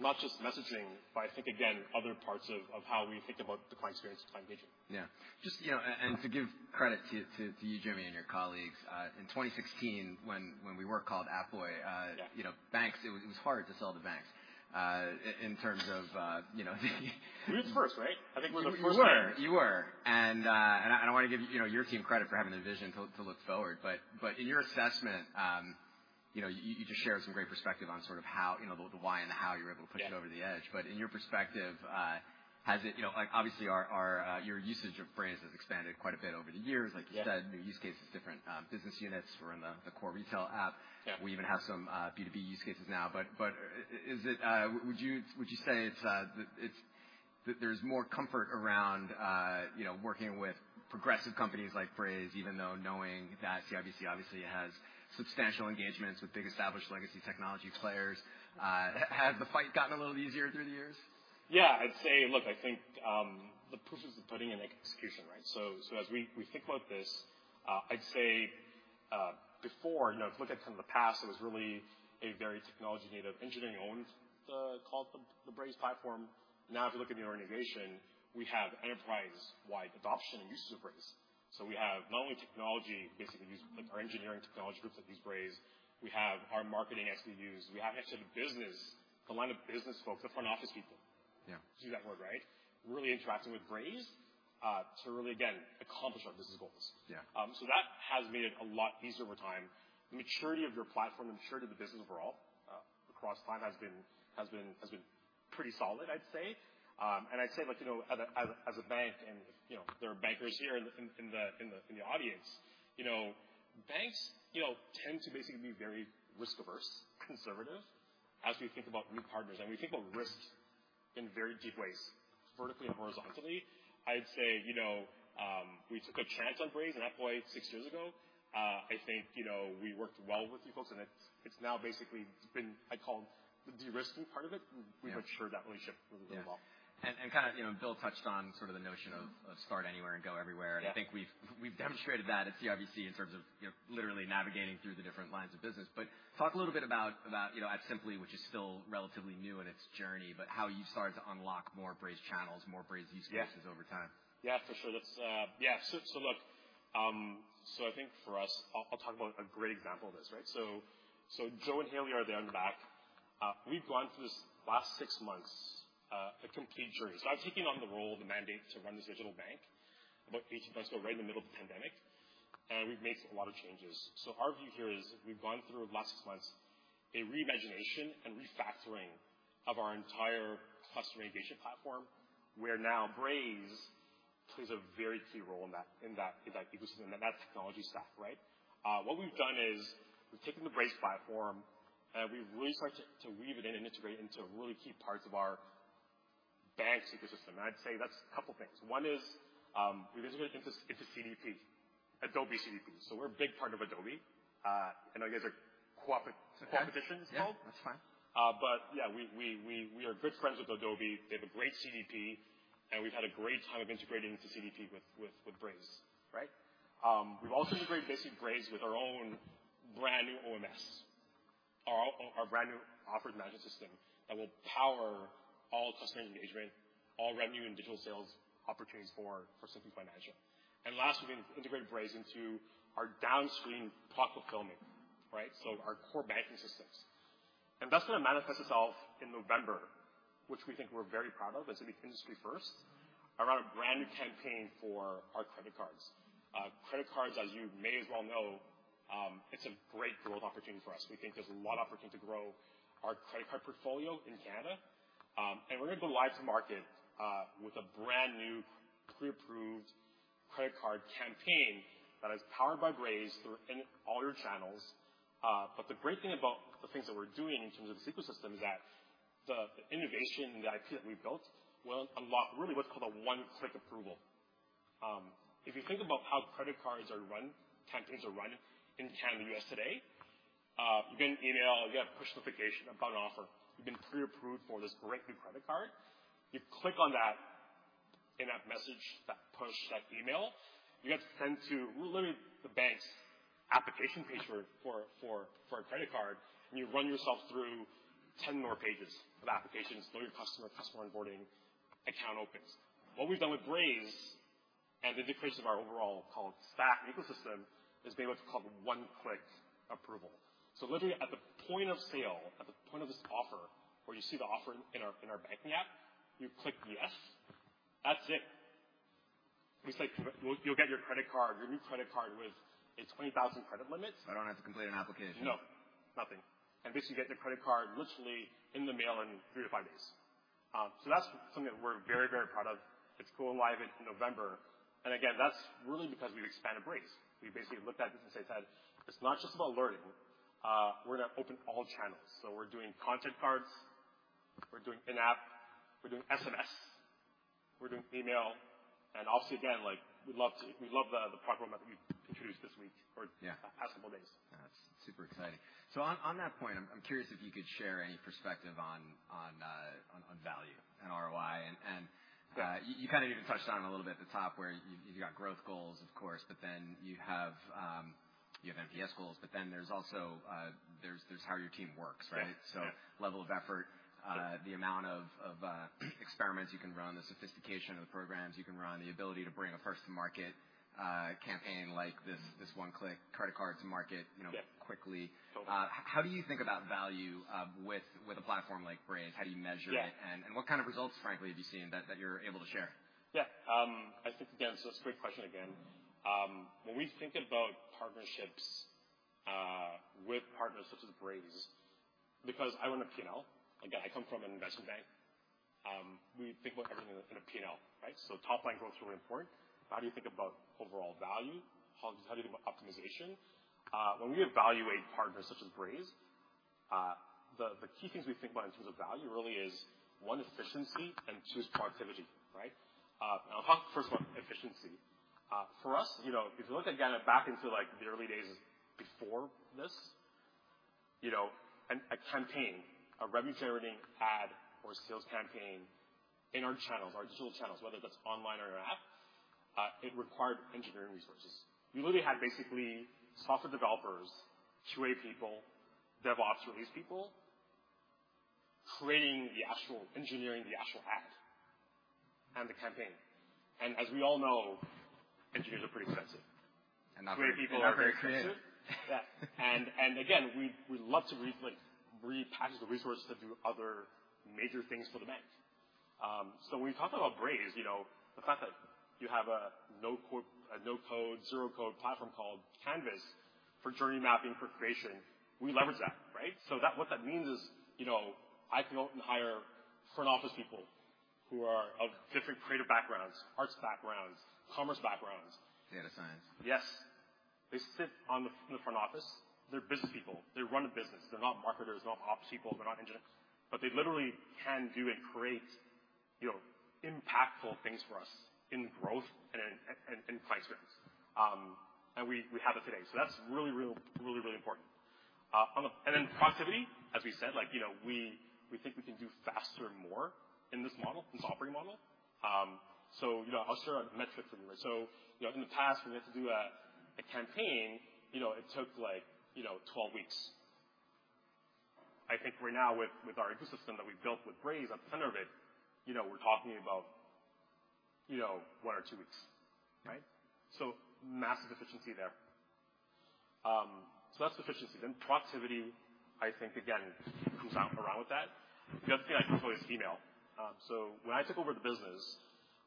not just messaging, but I think again other parts of how we think about the client experience and client engagement. Yeah. Just, you know, and to give credit to you, Jimmy, and your colleagues, in 2016 when we were called Appboy, Yeah. You know, banks, it was hard to sell to banks, in terms of, you know, the We was first, right? I think we were the first bank. You were. I want to give, you know, your team credit for having the vision to look forward, but in your assessment, you know, you just shared some great perspective on sort of how, you know, the why and the how you were able to push it over the edge. Yeah. In your perspective, has it, you know, like obviously our your usage of Braze has expanded quite a bit over the years. Yeah. Like you said, new use cases, different, business units. We're in the core retail app. Yeah. We even have some B2B use cases now, but, is it, would you say, it's that there's more comfort around, you know, working with progressive companies like Braze, even though knowing that CIBC obviously has substantial engagements with big established legacy technology players? Has the fight gotten a little easier through the years? Yeah. I'd say, look, I think, the proof is in the pudding and execution, right? As we think about this, I'd say before, you know, if you look at kind of the past, it was really a very technology native engineering owned the called the Braze platform. Now, if you look at the organization, we have enterprise-wide adoption and uses of Braze. We have not only technology, basically these, our engineering technology groups that use Braze. We have our marketing actually use. We have actually the business, the line of business folks, the front office people- Yeah. ....do that work, right? Really interacting with Braze, to really, again, accomplish our business goals. Yeah. That has made it a lot easier over time. The maturity of your platform, the maturity of the business overall, across time has been pretty solid, I'd say. I'd say like, you know, as a bank and, you know, there are bankers here in the audience. You know, banks, you know, tend to basically be very risk-averse, conservative as we think about new partners, and we think about risk in very deep ways, vertically and horizontally. I'd say, you know, we took a chance on Braze and Appboy six years ago. I think, you know, we worked well with you folks and it's now basically been, I'd call the de-risking part of it. Yeah. We've matured that relationship really, really well. Yeah. Kind of, you know, Bill touched on sort of the notion of start anywhere and go everywhere. Yeah. I think we've demonstrated that at CIBC in terms of, you know, literally navigating through the different lines of business. Talk a little bit about, you know, at Simplii, which is still relatively new in its journey, but how you've started to unlock more Braze channels, more Braze use cases over time. Yeah. Yeah, for sure. That's, yeah. Look, I think for us, I'll talk about a great example of this, right? Joe and Haley are there in the back. We've gone through the last six months, a complete journey. I've taken on the role, the mandate to run this digital bank about 18 months ago, right in the middle of the pandemic, and we've made a lot of changes. Our view here is we've gone through the last six months a reimagination and refactoring of our entire customer engagement platform, where now Braze plays a very key role in that ecosystem and that technology stack, right? What we've done is we've taken the Braze platform and we've really started to weave it in and integrate into really key parts of our bank ecosystem. I'd say that's a couple things. One is, we're basically into CDP, Adobe CDP. We're a big part of Adobe. I know you guys are co-opi- It's okay. Competition, it's called. Yeah, that's fine. Yeah, we are good friends with Adobe. They have a great CDP, and we've had a great time of integrating into CDP with Braze. Right. We've also integrated basically Braze with our own brand new OMS. Our brand new order management system that will power all customer engagement, all revenue and digital sales opportunities for Simplii Financial. Last, we've integrated Braze into our downstream platform fulfillment. Right? Our core banking systems. That's gonna manifest itself in November, which we think we're very proud of. It's gonna be industry first, around a brand new campaign for our credit cards. Credit cards, as you may well know, it's a great growth opportunity for us. We think there's a lot of opportunity to grow our credit card portfolio in Canada. We're gonna go live to market with a brand new pre-approved credit card campaign that is powered by Braze through all our channels. The great thing about the things that we're doing in terms of the ecosystem is that the innovation, the IP that we've built will unlock really what's called a one-click approval. If you think about how credit card campaigns are run in Canada and U.S. today, you get an email, you get a push notification about an offer. You've been pre-approved for this great new credit card. You click on that in that message, that push, that email, you get sent to literally the bank's application page for a credit card, and you run yourself through ten more pages of applications, know your customer onboarding, account opens. What we've done with Braze and the creation of our overall cloud stack ecosystem is made what's called one-click approval. Literally at the point of sale, at the point of this offer, where you see the offer in our banking app, you click yes, that's it. You'll get your credit card, your new credit card with its $20,000 credit limit. I don't have to complete an application. No, nothing. Basically get the credit card literally in the mail in 3-5 days. That's something that we're very, very proud of. It's going live in November. Again, that's really because we've expanded Braze. We basically looked at this and said that it's not just about learning. We're gonna open all channels. We're doing Content Cards, we're doing in-app, we're doing SMS, we're doing email, and obviously again, like we'd love to. We love the product roadmap that we introduced this week. Yeah. the past couple days. That's super exciting. On that point, I'm curious if you could share any perspective on value and ROI and you kind of even touched on it a little bit at the top where you've got growth goals of course, but then you have NPS goals, but then there's also how your team works, right? Yeah. Level of effort, the amount of experiments you can run, the sophistication of the programs you can run, the ability to bring a first to market campaign like this one click credit card to market, you know. Yeah. -quickly. Totally. How do you think about value, with a platform like Braze? How do you measure it? Yeah. What kind of results, frankly, have you seen that you're able to share? Yeah. I think again, it's a great question again. When we think about partnerships with partners such as Braze, because I run a P&L. Again, I come from an investment bank, we think about everything in a P&L, right? Top line growth is really important. How do you think about overall value? How do you think about optimization? When we evaluate partners such as Braze, the key things we think about in terms of value really is one, efficiency and two, is productivity, right? I'll talk first about efficiency. For us, you know, if you look again back into like the early days before this, you know, and a campaign, a revenue-generating ad or sales campaign in our channels, our digital channels, whether that's online or in our app, it required engineering resources. We literally had basically software developers, two AI people, DevOps release people, creating the actual engineering, the actual ad and the campaign. As we all know, engineers are pretty expensive. Not very creative. QA people are very expensive. Yeah. Again, we love to like repackage the resources to do other major things for the bank. When you talk about Braze, you know, the fact that you have a no-code, zero-code platform called Canvas for journey mapping, for creation, we leverage that, right? That, what that means is, you know, I can go out and hire front office people who are of different creative backgrounds, arts backgrounds, commerce backgrounds. Data science. Yes. They sit in the front office. They're business people. They run a business. They're not marketers. They're not ops people. They're not engineers. But they literally can do and create, you know, impactful things for us in growth and in client experience. We have it today. That's really important. Then productivity, as we said, like, you know, we think we can do faster and more in this model, in this operating model. You know, I'll share a metric with you, right? You know, in the past, when we had to do a campaign, you know, it took like, you know, 12 weeks. I think right now with our ecosystem that we've built with Braze at the center of it, you know, we're talking about, you know, one or two weeks, right? Massive efficiency there. That's efficiency. Productivity I think again comes out around with that. The other thing I can call is email. When I took over the business,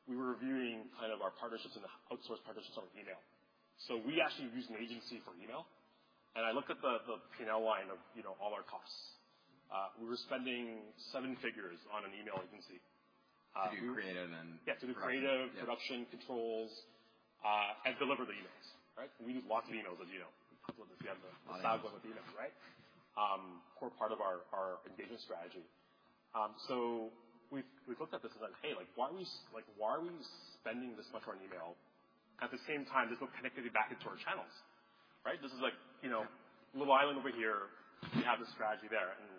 we were reviewing kind of our partnerships and the outsourced partnerships on email. We actually used an agency for email. I looked at the P&L line of, you know, all our costs. We were spending seven figures on an email agency. Do creative, production, controls, and deliver the emails, right? We use lots of emails as you know. We talked about this. We have a fabulous with emails, right? Core part of our engagement strategy. We've looked at this as like, "Hey, like, why are we spending this much on email? At the same time, this is what connected you back into our channels, right? This is like, you know, little island over here. We have a strategy there, and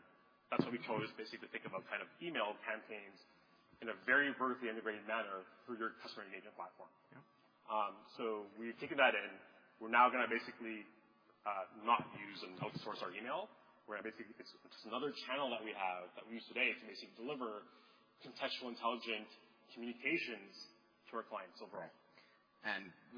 that's why we chose basically to think about kind of email campaigns in a very vertically integrated manner through your customer engagement platform. Yeah. We've taken that in. We're now gonna basically not use and outsource our email. It's another channel that we have that we use today to basically deliver contextual intelligent communications to our clients overall.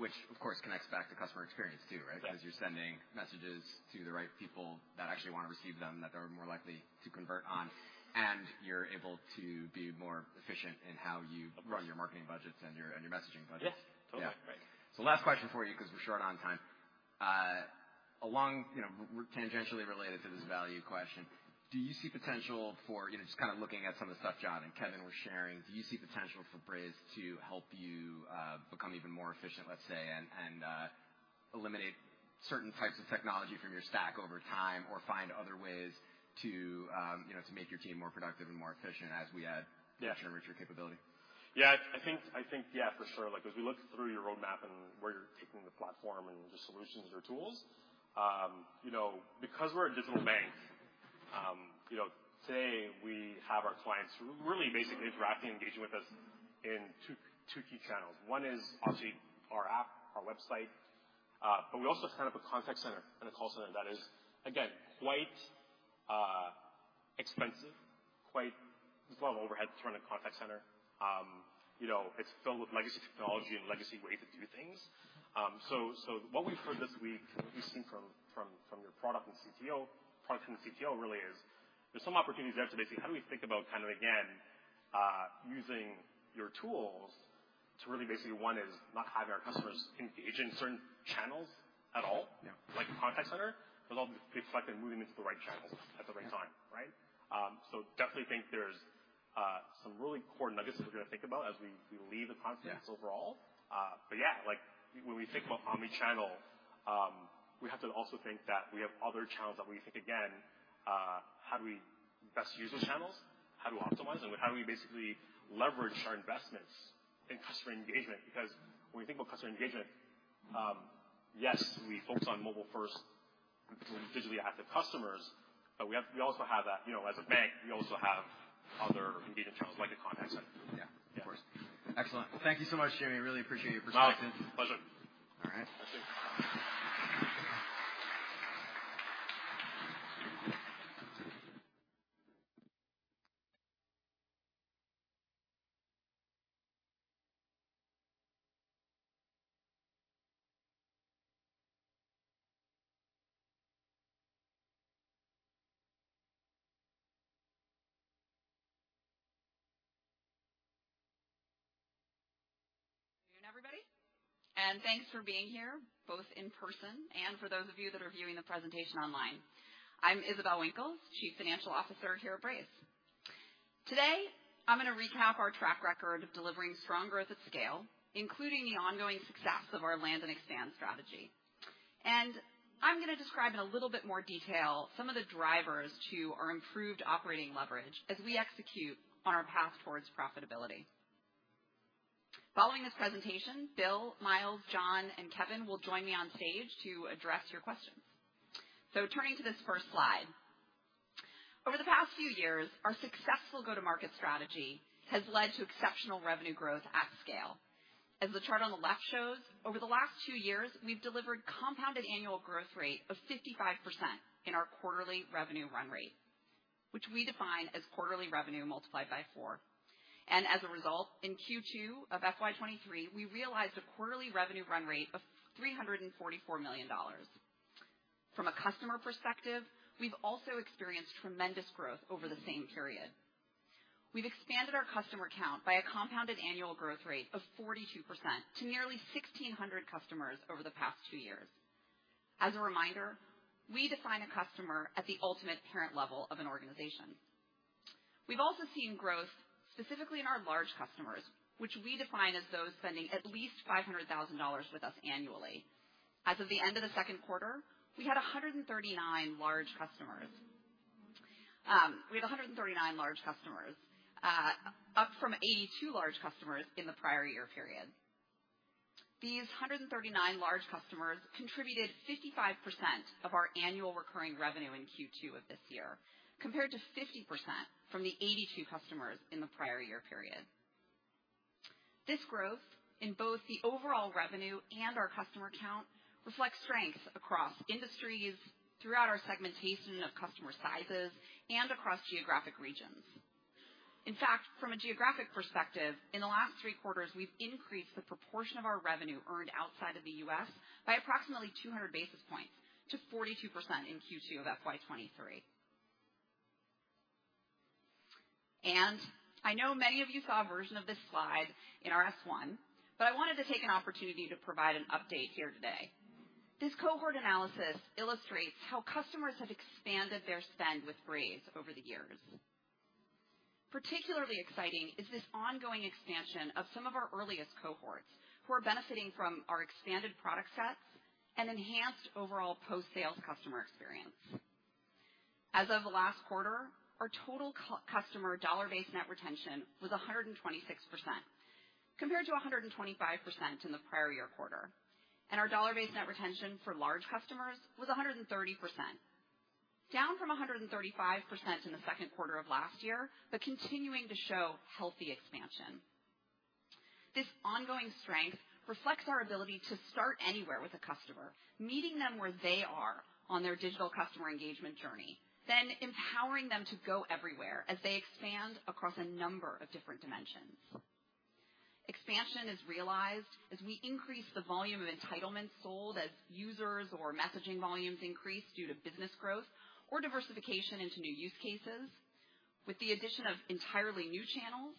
Which of course connects back to customer experience too, right? Yeah. 'Cause you're sending messages to the right people that actually wanna receive them, that they're more likely to convert on, and you're able to be more efficient. Of course. run your marketing budgets and your messaging budgets. Yeah. Totally. Yeah. Last question for you because we're short on time. Along, you know, we're tangentially related to this value question. Do you see potential for, you know, just kind of looking at some of the stuff Jon and Kevin were sharing, do you see potential for Braze to help you, become even more efficient, let's say, and eliminate certain types of technology from your stack over time or find other ways to, you know, to make your team more productive and more efficient as we add- Yeah. Feature-rich capability? Yeah. I think, yeah, for sure. Like, as we look through your roadmap and where you're taking the platform and the solutions or tools, you know, because we're a digital bank, you know, today we have our clients who really basically directly engaging with us in two key channels. One is obviously our app, our website, but we also have kind of a contact center and a call center that is again, quite expensive, quite. There's a lot of overhead to run a contact center. You know, it's filled with legacy technology and legacy ways to do things. What we've heard this week and what we've seen from your product and the CTO really is there's some opportunities there to basically how do we think about kind of again using your tools to really basically one is not have our customers engage in certain channels at all. Yeah. Like a contact center, but also be selective in moving into the right channels at the right time, right? Definitely think there's some really core nuggets we're gonna think about as we leave the conference. Yeah. Yeah, like when we think about omni-channel, we have to also think that we have other channels that when we think again, how do we best use those channels? How do we optimize them? How do we basically leverage our investments in customer engagement? Because when we think about customer engagement, yes, we focus on mobile first between digitally active customers, but we have, we also have that, you know, as a bank, we also have other engagement channels like a contact center. Yeah. Of course. Excellent. Well, thank you so much, Jimmy Dinh. I really appreciate your perspective. Myles, pleasure. All right. Thank you. Good afternoon, everybody, and thanks for being here, both in person and for those of you that are viewing the presentation online. I'm Isabelle Winkels, Chief Financial Officer here at Braze. Today, I'm gonna recap our track record of delivering strong growth at scale, including the ongoing success of our land and expand strategy. I'm gonna describe in a little bit more detail some of the drivers to our improved operating leverage as we execute on our path towards profitability. Following this presentation, Bill, Miles, John, and Kevin will join me on stage to address your questions. Turning to this first slide. Over the past few years, our successful go-to-market strategy has led to exceptional revenue growth at scale. As the chart on the left shows, over the last two years, we've delivered compound annual growth rate of 55% in our quarterly revenue run rate, which we define as quarterly revenue multiplied by four. As a result, in Q2 of FY 2023, we realized a quarterly revenue run rate of $344 million. From a customer perspective, we've also experienced tremendous growth over the same period. We've expanded our customer count by a compound annual growth rate of 42% to nearly 1,600 customers over the past two years. As a reminder, we define a customer at the ultimate parent level of an organization. We've also seen growth specifically in our large customers, which we define as those spending at least $500,000 with us annually. As of the end of the second quarter, we have 139 large customers, up from 82 large customers in the prior year period. These 139 large customers contributed 55% of our annual recurring revenue in Q2 of this year, compared to 50% from the 82 customers in the prior year period. This growth in both the overall revenue and our customer count reflects strengths across industries, throughout our segmentation of customer sizes, and across geographic regions. In fact, from a geographic perspective, in the last three quarters, we've increased the proportion of our revenue earned outside of the U.S. by approximately 200 basis points to 42% in Q2 of FY 2023. I know many of you saw a version of this slide in our. But I wanted to take an opportunity to provide an update here today. This cohort analysis illustrates how customers have expanded their spend with Braze over the years. Particularly exciting is this ongoing expansion of some of our earliest cohorts who are benefiting from our expanded product sets and enhanced overall post-sales customer experience. As of last quarter, our total customer dollar-based net retention was 126%, compared to 125% in the prior year quarter. Our dollar-based net retention for large customers was 130%, down from 135% in the second quarter of last year, but continuing to show healthy expansion. This ongoing strength reflects our ability to start anywhere with a customer, meeting them where they are on their digital customer engagement journey, then empowering them to go everywhere as they expand across a number of different dimensions. Expansion is realized as we increase the volume of entitlements sold as users or messaging volumes increase due to business growth or diversification into new use cases with the addition of entirely new channels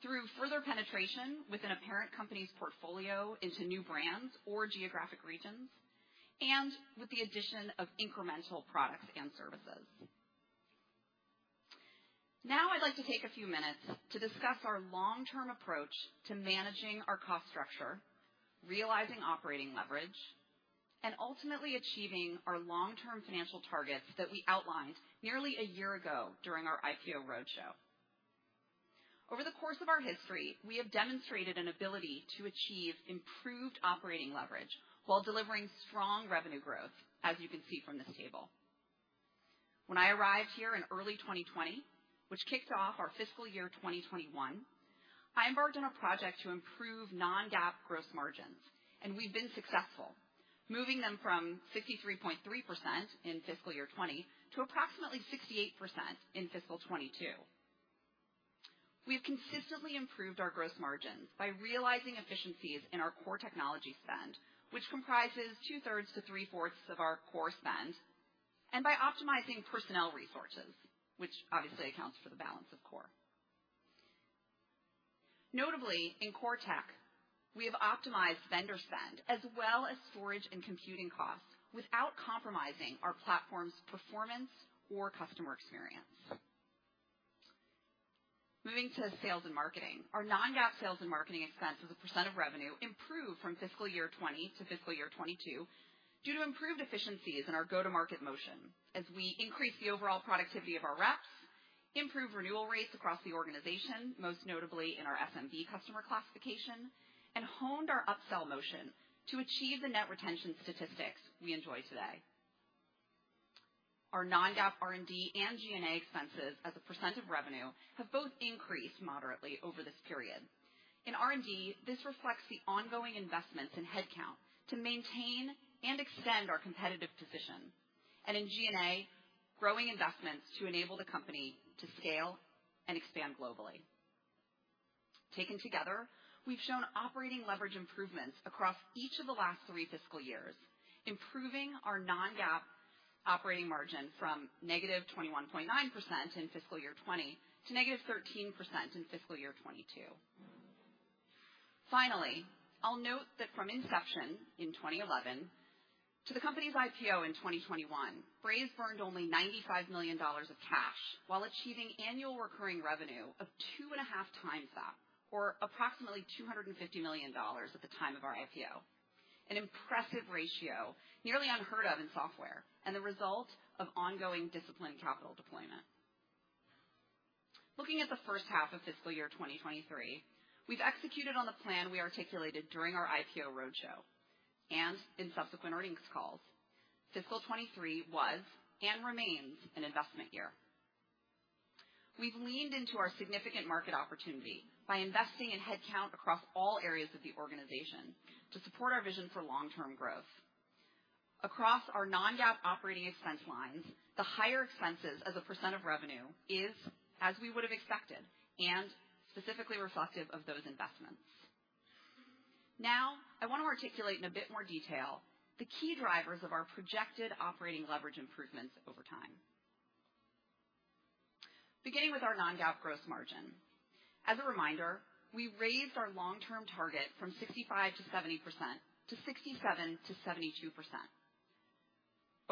through further penetration within a parent company's portfolio into new brands or geographic region. And with the addition of incremental products and services. Now, I'd like to take a few minutes to discuss our long-term approach to managing our cost structure, realizing operating leverage, and ultimately achieving our long-term financial targets that we outlined nearly a year ago during our IPO roadshow. Over the course of our history, we have demonstrated an ability to achieve improved operating leverage while delivering strong revenue growth, as you can see from this table. When I arrived here in early 2020, which kicked off our fiscal year 2021, I embarked on a project to improve non-GAAP gross margins, and we've been successful, moving them from 63.3% in fiscal year 2020 to approximately 68% in fiscal 2022. We've consistently improved our gross margins by realizing efficiencies in our core technology spend, which comprises two-thirds to three-fourths of our core spend, and by optimizing personnel resources, which obviously accounts for the balance of core. Notably, in core tech, we have optimized vendor spend as well as storage and computing costs without compromising our platform's performance or customer experience. Moving to sales and marketing, our non-GAAP sales and marketing expense as a percent of revenue improved from fiscal year 20 to fiscal year 22 due to improved efficiencies in our go-to-market motion as we increased the overall productivity of our reps, improved renewal rates across the organization, most notably in our SMB customer classification, and honed our upsell motion to achieve the net retention statistics we enjoy today. Our non-GAAP R&D and G&A expenses as a % of revenue have both increased moderately over this period. In R&D, this reflects the ongoing investments in headcount to maintain and extend our competitive position, and in G&A, growing investments to enable the company to scale and expand globally. Taken together, we've shown operating leverage improvements across each of the last three fiscal years, improving our non-GAAP operating margin from -21.9% in fiscal year 2020 to -13% in fiscal year 2022. Finally, I'll note that from inception in 2011 to the company's IPO in 2021, Braze burned only $95 million of cash while achieving annual recurring revenue of 2.5x that or approximately $250 million at the time of our IPO. An impressive ratio, nearly unheard of in software, and the result of ongoing disciplined capital deployment. Looking at the first half of fiscal year 2023, we've executed on the plan we articulated during our IPO roadshow and in subsequent earnings calls. Fiscal 2023 was and remains an investment year. We've leaned into our significant market opportunity by investing in headcount across all areas of the organization to support our vision for long-term growth. Across our non-GAAP operating expense lines, the higher expenses as a percent of revenue is as we would have expected and specifically reflective of those investments. Now, I want to articulate in a bit more detail the key drivers of our projected operating leverage improvements over time. Beginning with our non-GAAP gross margin. As a reminder, we raised our long-term target from 65%-70% to 67%-72%.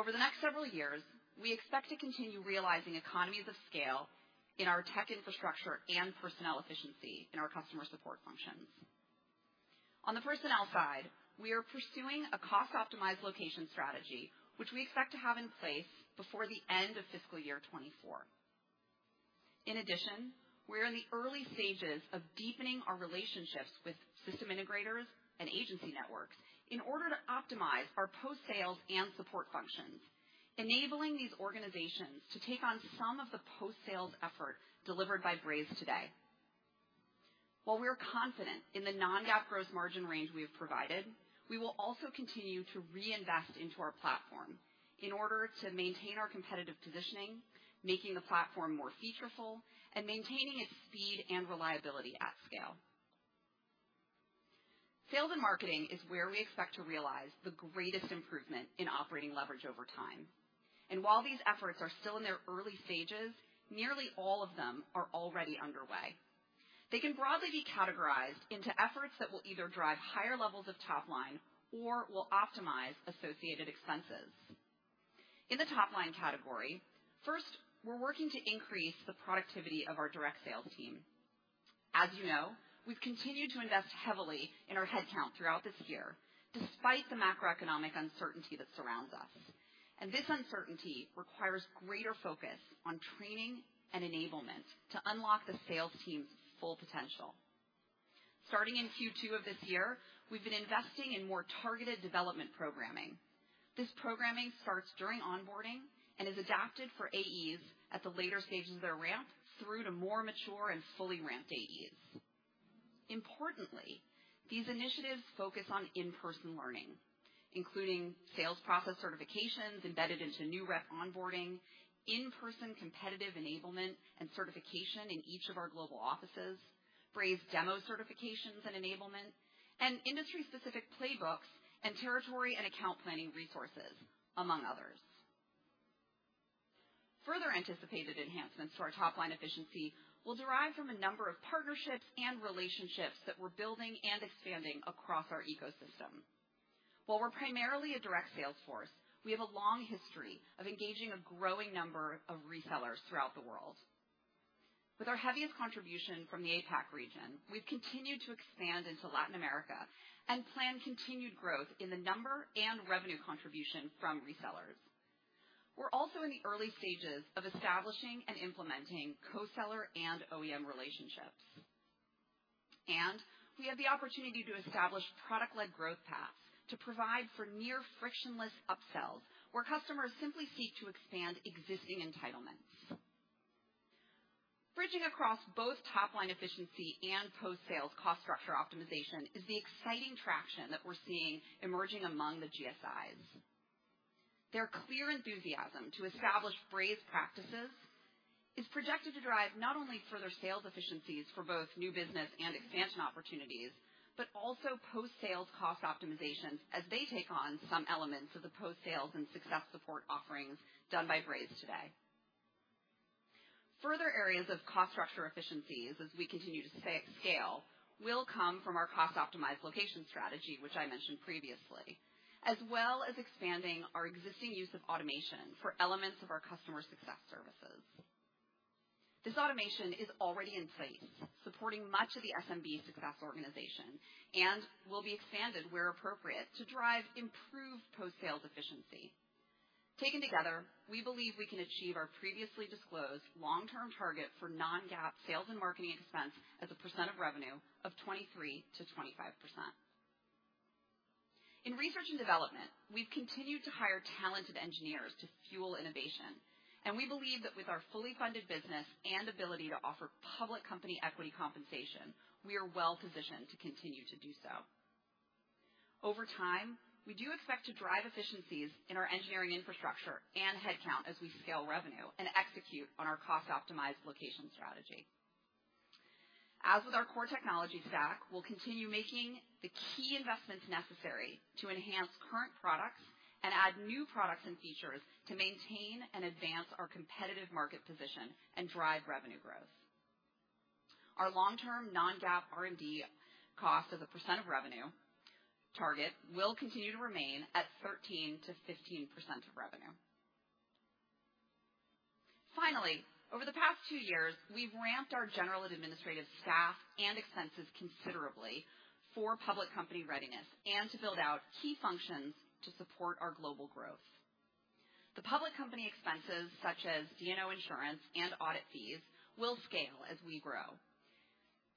Over the next several years, we expect to continue realizing economies of scale in our tech infrastructure and personnel efficiency in our customer support functions. On the personnel side, we are pursuing a cost-optimized location strategy, which we expect to have in place before the end of fiscal year 2024. In addition, we're in the early stages of deepening our relationships with system integrators and agency networks in order to optimize our post-sales and support functions, enabling these organizations to take on some of the post-sales effort delivered by Braze today. While we are confident in the non-GAAP gross margin range we have provided. We will also continue to reinvest into our platform in order to maintain our competitive positioning, making the platform more featureful, and maintaining its speed and reliability at scale. Sales and marketing is where we expect to realize the greatest improvement in operating leverage over time. While these efforts are still in their early stages, nearly all of them are already underway. They can broadly be categorized into efforts that will either drive higher levels of top line or will optimize associated expenses. In the top line category, first, we're working to increase the productivity of our direct sales team. As you know, we've continued to invest heavily in our headcount throughout this year, despite the macroeconomic uncertainty that surrounds us. This uncertainty requires greater focus on training and enablement to unlock the sales team's full potential. Starting in Q2 of this year, we've been investing in more targeted development programming. This programming starts during onboarding and is adapted for AEs at the later stages of their ramp through to more mature and fully ramped AEs. Importantly, these initiatives focus on in-person learning, including sales process certifications embedded into new rep onboarding, in-person competitive enablement and certification in each of our global offices, Braze demo certifications and enablement, and industry-specific playbooks and territory and account planning resources, among others. Further anticipated enhancements to our top-line efficiency will derive from a number of partnerships and relationships that we're building and expanding across our ecosystem. While we're primarily a direct sales force, we have a long history of engaging a growing number of resellers throughout the world. With our heaviest contribution from the APAC region, we've continued to expand into Latin America and plan continued growth in the number and revenue contribution from resellers. We're also in the early stages of establishing and implementing co-seller and OEM relationships. We have the opportunity to establish product-led growth paths to provide for near frictionless upsells where customers simply seek to expand existing entitlements. Bridging across both top-line efficiency and post-sales cost structure optimization is the exciting traction that we're seeing emerging among the GSIs. Their clear enthusiasm to establish Braze practices is projected to drive not only further sales efficiencies for both new business and expansion opportunities, but also post-sales cost optimizations as they take on some elements of the post-sales and success support offerings done by Braze today. Further areas of cost structure efficiencies as we continue to scale will come from our cost-optimized location strategy, which I mentioned previously. As well as expanding our existing use of automation for elements of our customer success services. This automation is already in place, supporting much of the SMB success organization, and will be expanded where appropriate to drive improved post-sales efficiency. Taken together, we believe we can achieve our previously disclosed long-term target for non-GAAP sales and marketing expense as a percent of revenue of 23%-25%. In research and development, we've continued to hire talented engineers to fuel innovation, and we believe that with our fully funded business and ability to offer public company equity compensation, we are well positioned to continue to do so. Over time, we do expect to drive efficiencies in our engineering infrastructure and headcount as we scale revenue and execute on our cost-optimized location strategy. As with our core technology stack, we'll continue making the key investments necessary to enhance current products and add new products and features to maintain and advance our competitive market position and drive revenue growth. Our long-term non-GAAP R&D cost as a percent of revenue target will continue to remain at 13%-15% of revenue. Finally, over the past two years, we've ramped our General and Administrative staff and expenses considerably for public company readiness and to build out key functions to support our global growth. The public company expenses, such as D&O insurance and audit fees, will scale as we grow.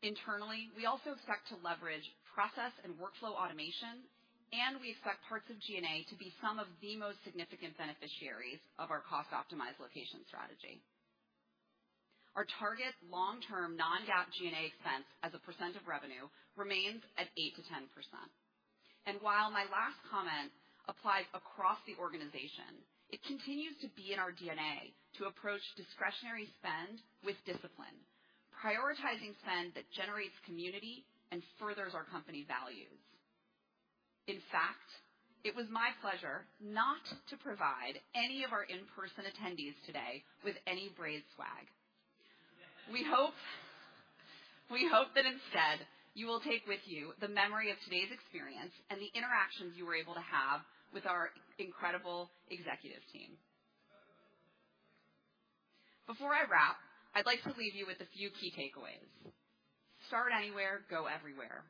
Internally, we also expect to leverage process and workflow automation, and we expect parts of G&A to be some of the most significant beneficiaries of our cost-optimized location strategy. Our target long-term non-GAAP G&A expense as a percent of revenue remains at 8%-10%. While my last comment applies across the organization, it continues to be in our DNA to approach discretionary spend with discipline, prioritizing spend that generates community and furthers our company values. In fact, it was my pleasure not to provide any of our in-person attendees today with any Braze swag. We hope that instead, you will take with you the memory of today's experience and the interactions you were able to have with our incredible executive team. Before I wrap, I'd like to leave you with a few key takeaways. Start anywhere, go everywhere.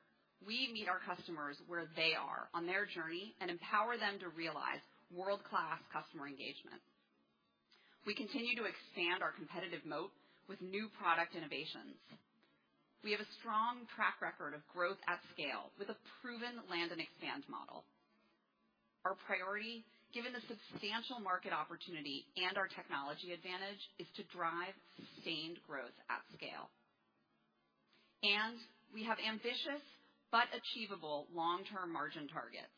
We meet our customers where they are on their journey and empower them to realize world-class customer engagement. We continue to expand our competitive moat with new product innovations. We have a strong track record of growth at scale with a proven land and expand model. Our priority, given the substantial market opportunity and our technology advantage, is to drive sustained growth at scale. We have ambitious but achievable long-term margin targets.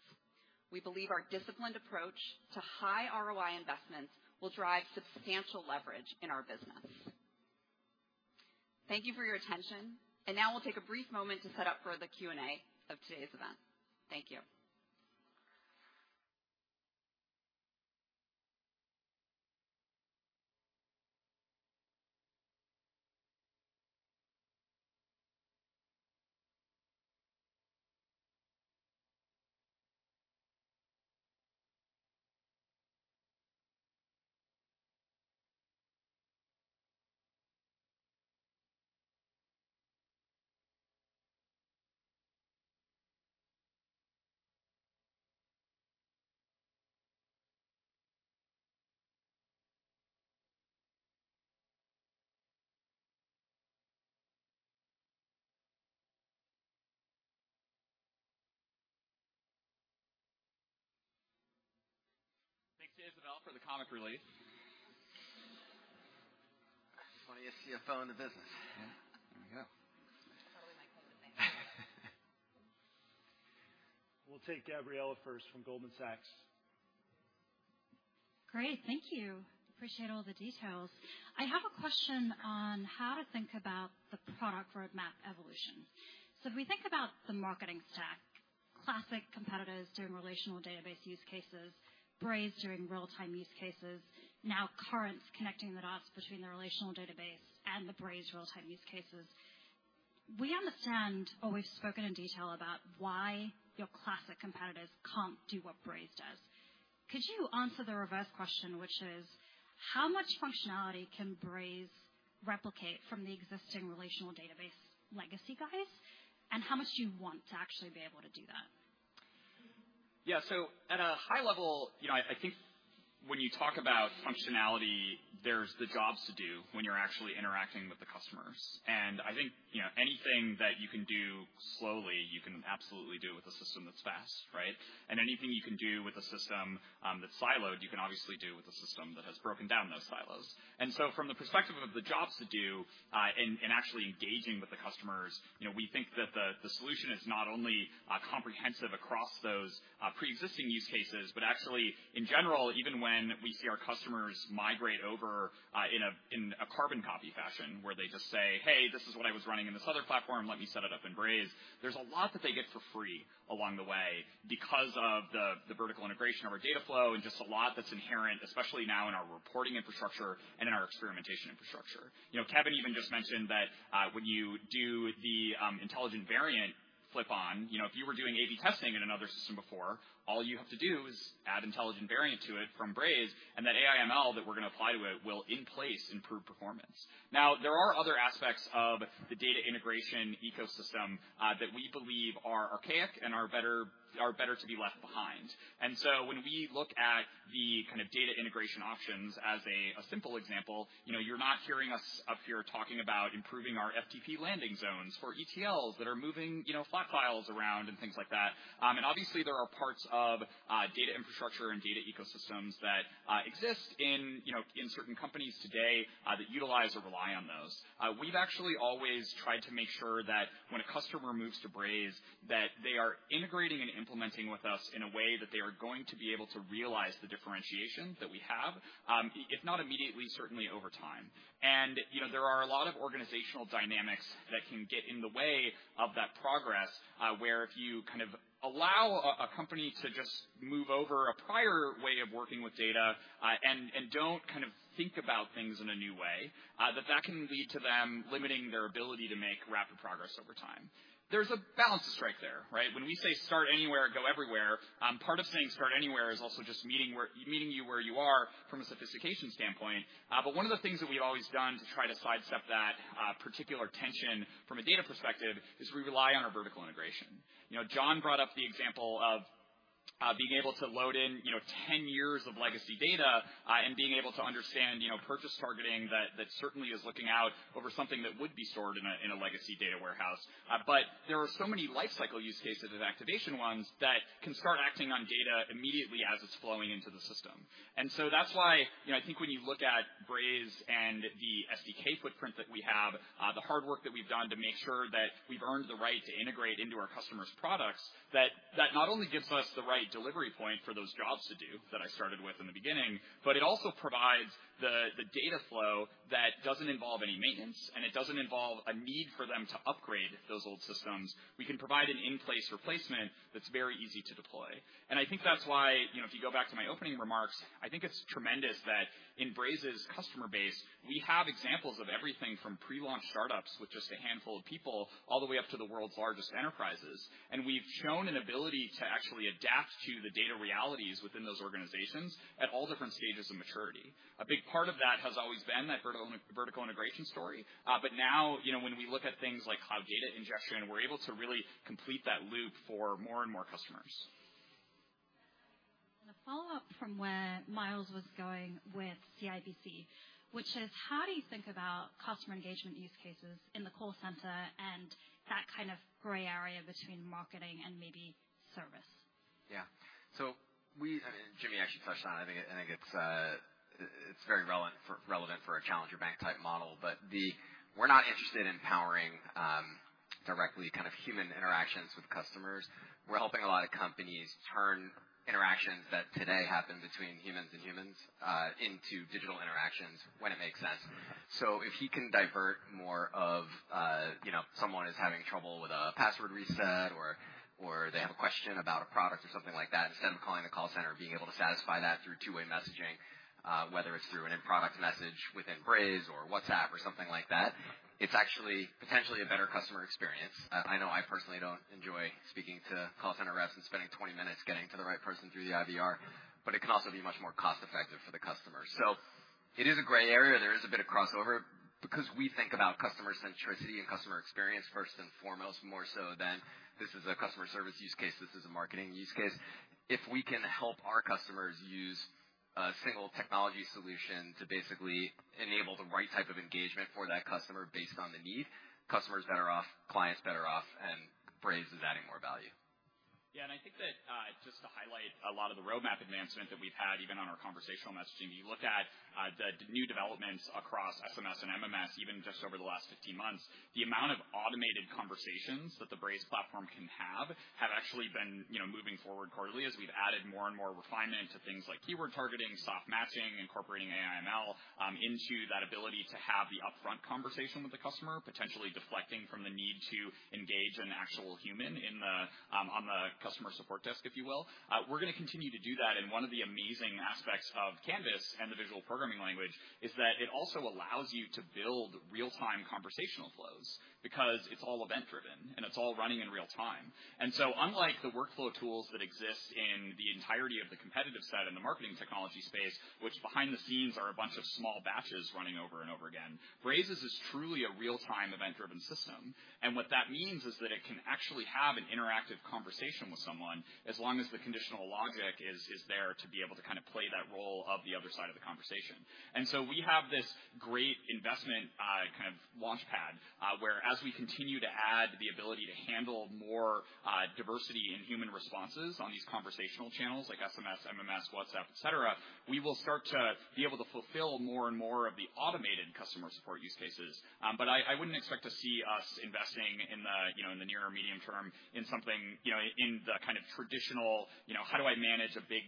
We believe our disciplined approach to high ROI investments will drive substantial leverage in our business. Thank you for your attention. Now we'll take a brief moment to set up for the Q&A of today's event. Thank you. Thanks, Isabelle, for the comic relief. That's why you see a phone in the business. Yeah. There we go. That's probably my favorite thing. We'll take Gabriela first from Goldman Sachs. Great. Thank you. Appreciate all the details. I have a question on how to think about the product roadmap evolution. If we think about the marketing stack, classic competitors doing relational database use cases, Braze doing real-time use cases, now Currents connecting the dots between the relational database and the Braze real-time use cases. We understand, or we've spoken in detail about why your classic competitors can't do what Braze does. Could you answer the reverse question, which is how much functionality can Braze replicate from the existing relational database legacy guys, and how much do you want to actually be able to do that? Yeah. At a high level, you know, I think when you talk about functionality, there's the jobs to do when you're actually interacting with the customers. I think, you know, anything that you can do slowly, you can absolutely do with a system that's fast, right? Anything you can do with a system that's siloed, you can obviously do with a system that has broken down those silos. From the perspective of the jobs to do, and actually engaging with the customers, you know, we think that the solution is not only comprehensive across those pre-existing use cases, but actually in general, even when we see our customers migrate over, in a carbon copy fashion, where they just say, "Hey, this is what I was running in this other platform, let me set it up in Braze." There's a lot that they get for free along the way because of the vertical integration of our data flow, and just a lot that's inherent, especially now in our reporting infrastructure and in our experimentation infrastructure. You know, Kevin even just mentioned that, when you do the intelligent variant flip-on, you know, if you were doing AB testing in another system before, all you have to do is add intelligent variant to it from Braze, and that AI/ML that we're gonna apply to it will in place improve performance. Now, there are other aspects of the data integration ecosystem, that we believe are archaic and are better to be left behind. When we look at the kind of data integration options as a simple example, you know, you're not hearing us up here talking about improving our FTP landing zones for ETLs that are moving, you know, flat files around and things like that. Obviously there are parts of data infrastructure and data ecosystems that exist, you know, in certain companies today that utilize or rely on those. We've actually always tried to make sure that when a customer moves to Braze, that they are integrating and implementing with us in a way that they are going to be able to realize the differentiation that we have, if not immediately, certainly over time. You know, there are a lot of organizational dynamics that can get in the way of that progress, where if you kind of allow a company to just move over a prior way of working with data, and don't kind of think about things in a new way, that can lead to them limiting their ability to make rapid progress over time. There's a balance to strike there, right? When we say start anywhere, go everywhere, part of saying start anywhere is also just meeting you where you are from a sophistication standpoint. One of the things that we've always done to try to sidestep that particular tension from a data perspective is we rely on our vertical integration. You know, Jon brought up the example of being able to load in, you know, 10 years of legacy data, and being able to understand purchase targeting that certainly is looking out over something that would be stored in a legacy data warehouse. There are so many lifecycle use cases and activation ones that can start acting on data immediately as it's flowing into the system. That's why, you know, I think when you look at Braze and the SDK footprint that we have, the hard work that we've done to make sure that we've earned the right to integrate into our customers' products, that not only gives us the right delivery point for those jobs to do that I started with in the beginning, but it also provides the data flow that doesn't involve any maintenance, and it doesn't involve a need for them to upgrade those old systems. We can provide an in-place replacement that's very easy to deploy. I think that's why, you know, if you go back to my opening remarks, I think it's tremendous that in Braze's customer base, we have examples of everything from pre-launch startups with just a handful of people all the way up to the world's largest enterprises, and we've shown an ability to actually adapt to the data realities within those organizations at all different stages of maturity. A big part of that has always been that vertical integration story. But now, you know, when we look at things like cloud data ingestion, we're able to really complete that loop for more and more customers. A follow-up from where Myles was going with CIBC, which is how do you think about customer engagement use cases in the call center and that kind of gray area between marketing and maybe service? Yeah. I mean, Jimmy actually touched on it. I think it's very relevant for a challenger bank type model. We're not interested in powering directly kind of human interactions with customers. We're helping a lot of companies turn interactions that today happen between humans and humans into digital interactions when it makes sense. If you can divert more of you know, someone is having trouble with a password reset or they have a question about a product or something like that, instead of calling the call center and being able to satisfy that through two-way messaging, whether it's through an in-product message within Braze or WhatsApp or something like that, it's actually potentially a better customer experience. I know I personally don't enjoy speaking to call center reps and spending 20 minutes getting to the right person through the IVR, but it can also be much more cost-effective for the customer. It is a gray area. There is a bit of crossover because we think about customer centricity and customer experience first and foremost, more so than this is a customer service use case, this is a marketing use case. If we can help our customers use a single technology solution to basically enable the right type of engagement for that customer based on the need, customers better off, clients better off, and Braze is adding more value. Yeah. I think that, just to highlight a lot of the roadmap advancement that we've had even on our conversational messaging, you look at the new developments across SMS and MMS, even just over the last 15 months, the amount of automated conversations that the Braze platform can have actually been, you know, moving forward quarterly as we've added more and more refinement to things like keyword targeting, soft matching, incorporating AI/ML into that ability to have the upfront conversation with the customer, potentially deflecting from the need to engage an actual human on the customer support desk, if you will. We're gonna continue to do that, and one of the amazing aspects of Canvas and the visual programming language is that it also allows you to build real-time conversational flows because it's all event-driven, and it's all running in real time. Unlike the workflow tools that exist in the entirety of the competitive set in the marketing technology space, which behind the scenes are a bunch of small batches running over and over again, Braze's is truly a real-time event-driven system. What that means is that it can actually have an interactive conversation with someone as long as the conditional logic is there to be able to kind of play that role of the other side of the conversation. We have this great investment, kind of launchpad, whereas we continue to add the ability to handle more diversity in human responses on these conversational channels like SMS, MMS, WhatsApp, et cetera, we will start to be able to fulfill more and more of the automated customer support use cases. But I wouldn't expect to see us investing in the, you know, in the near or medium term in something, you know, in the kind of traditional, you know, how do I manage a big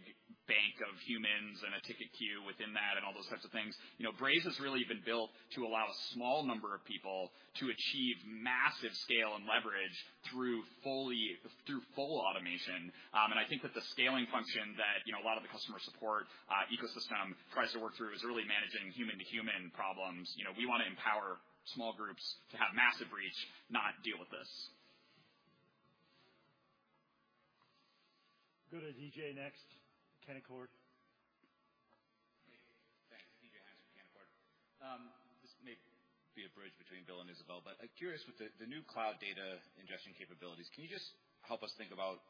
bank of humans and a ticket queue within that and all those types of things. You know, Braze has really been built to allow a small number of people to achieve massive scale and leverage through full automation. I think that the scaling function that, you know, a lot of the customer support ecosystem tries to work through is really managing human-to-human problems. You know, we wanna empower small groups to have massive reach, not deal with this. Go to DJ next, Canaccord. Hey. Thanks. David Hynes from Canaccord Genuity. This may be a bridge between Bill and Isabelle, but I'm curious with the new cloud data ingestion capabilities, can you just help us think about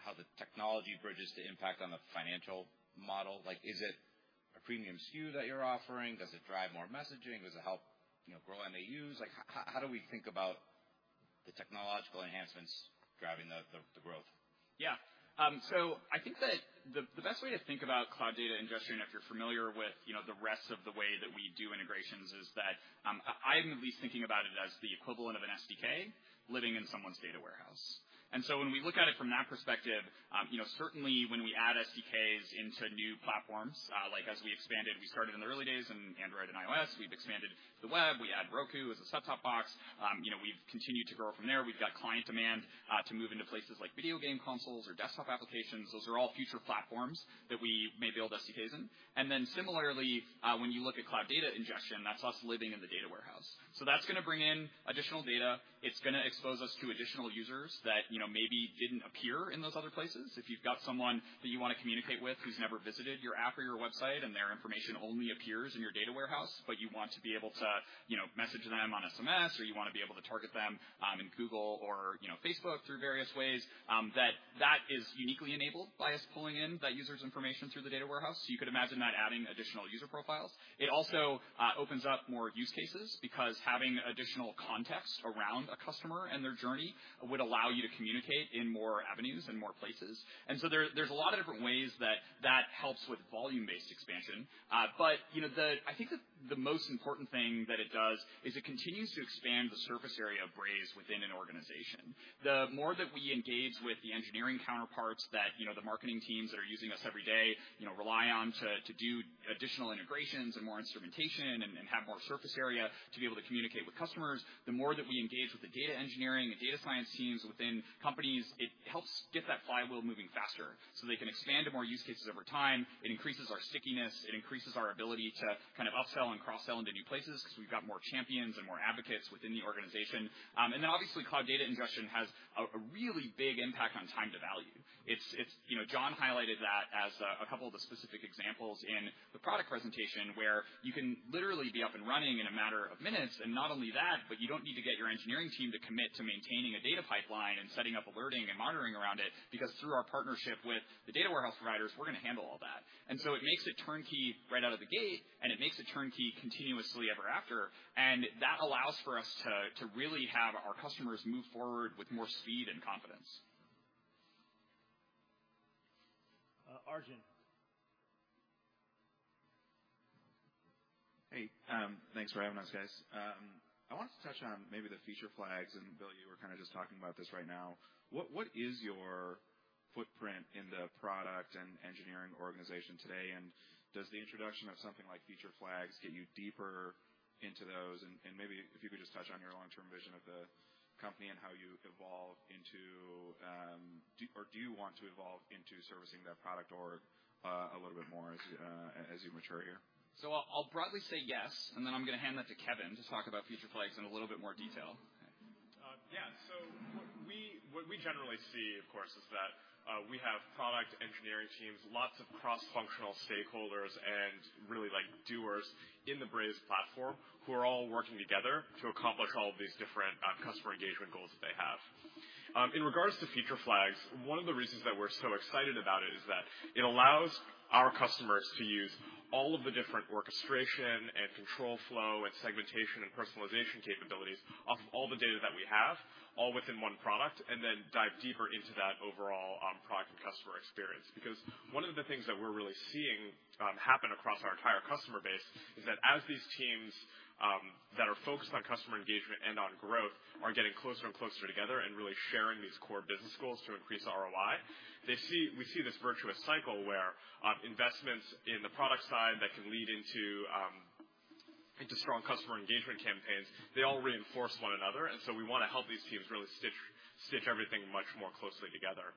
how the technology bridges the impact on the financial model? Like, is it a premium SKU that you're offering? Does it drive more messaging? Does it help, you know, grow MAUs? Like, how do we think about the technological enhancements driving the growth? Yeah. So I think that the best way to think about Cloud Data Ingestion, if you're familiar with, you know, the rest of the way that we do integrations, is that, I'm at least thinking about it as the equivalent of an SDK living in someone's data warehouse. When we look at it from that perspective, you know, certainly when we add SDKs into new platforms, like as we expanded, we started in the early days in Android and iOS. We've expanded to the web. We add Roku as a set-top box. You know, we've continued to grow from there. We've got client demand to move into places like video game consoles or desktop applications. Those are all future platforms that we may build SDKs in. Similarly, when you look at Cloud Data Ingestion, that's us living in the data warehouse. That's gonna bring in additional data. It's gonna expose us to additional users that, you know, maybe didn't appear in those other places. If you've got someone that you wanna communicate with who's never visited your app or your website and their information only appears in your data warehouse. But you want to be able to, you know, message them on SMS or you wanna be able to target them in Google or, you know, Facebook through various ways, that is uniquely enabled by us pulling in that user's information through the data warehouse. You could imagine that adding additional user profiles. It also opens up more use cases because having additional context around a customer and their journey would allow you to communicate in more avenues and more places. There, there's a lot of different ways that that helps with volume-based expansion. You know, I think the most important thing that it does is it continues to expand the surface area of Braze within an organization. The more that we engage with the engineering counterparts that, you know, the marketing teams that are using us every day, you know, rely on to do additional integrations and more instrumentation and have more surface area to be able to communicate with customers, the more that we engage with the data engineering, the data science teams within companies, it helps get that flywheel moving faster, so they can expand to more use cases over time. It increases our stickiness. It increases our ability to kind of upsell and cross-sell into new places because we've got more champions and more advocates within the organization. And then obviously, Cloud Data Ingestion has a really big impact on time to value. It's. You know, Jon highlighted that as a couple of the specific examples in the product presentation where you can literally be up and running in a matter of minutes, and not only that, but you don't need to get your engineering team to commit to maintaining a data pipeline and setting up alerting and monitoring around it because through our partnership with the data warehouse providers, we're gonna handle all that. It makes it turnkey right out of the gate, and it makes it turnkey continuously ever after. That allows for us to really have our customers move forward with more speed and confidence. Arjun. Hey, thanks for having us guys. I wanted to touch on maybe the Feature Flags, and Bill, you were kind of just talking about this right now. What is your footprint in the product and engineering organization today? Does the introduction of something like Feature Flags get you deeper into those? Maybe if you could just touch on your long-term vision of the company and how you evolve into do you want to evolve into servicing that product org a little bit more as you mature here? I'll broadly say yes, and then I'm gonna hand that to Kevin to talk about Feature Flags in a little bit more detail. Yeah. What we generally see, of course, is that we have product engineering teams, lots of cross-functional stakeholders, and really like doers in the Braze platform who are all working together to accomplish all of these different customer engagement goals that they have. In regards to Feature Flags, one of the reasons that we're so excited about it is that it allows our customers to use all of the different orchestration and control flow and segmentation and personalization capabilities off of all the data that we have, all within one product, and then dive deeper into that overall product and customer experience. Because one of the things that we're really seeing happen across our entire customer base is that as these teams that are focused on customer engagement and on growth are getting closer and closer together and really sharing these core business goals to increase ROI. We see this virtuous cycle where investments in the product side that can lead into strong customer engagement campaigns, they all reinforce one another, and so we wanna help these teams really stitch everything much more closely together.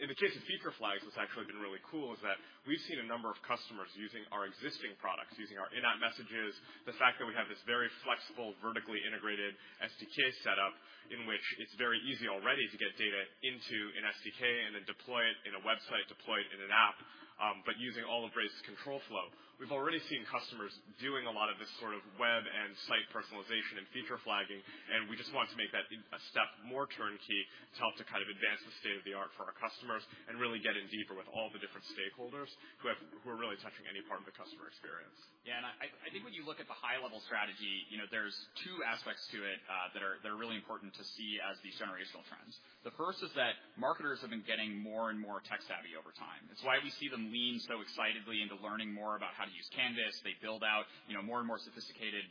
In the case of Feature Flags, what's actually been really cool is that we've seen a number of customers using our existing products, using our in-app messages. The fact that we have this very flexible, vertically integrated SDK setup in which it's very easy already to get data into an SDK and then deploy it in a website, deploy it in an app, but using all of Braze's control flow. We've already seen customers doing a lot of this sort of web and site personalization and feature flagging, and we just want to make that a step more turnkey to help to kind of advance the state-of-the-art for our customers and really get in deeper with all the different stakeholders who are really touching any part of the customer experience. I think when you look at the high level strategy, you know, there's two aspects to it that are really important to see as these generational trends. The first is that marketers have been getting more and more tech-savvy over time. It's why we see them lean so excitedly into learning more about how to use Canvas. They build out, you know, more and more sophisticated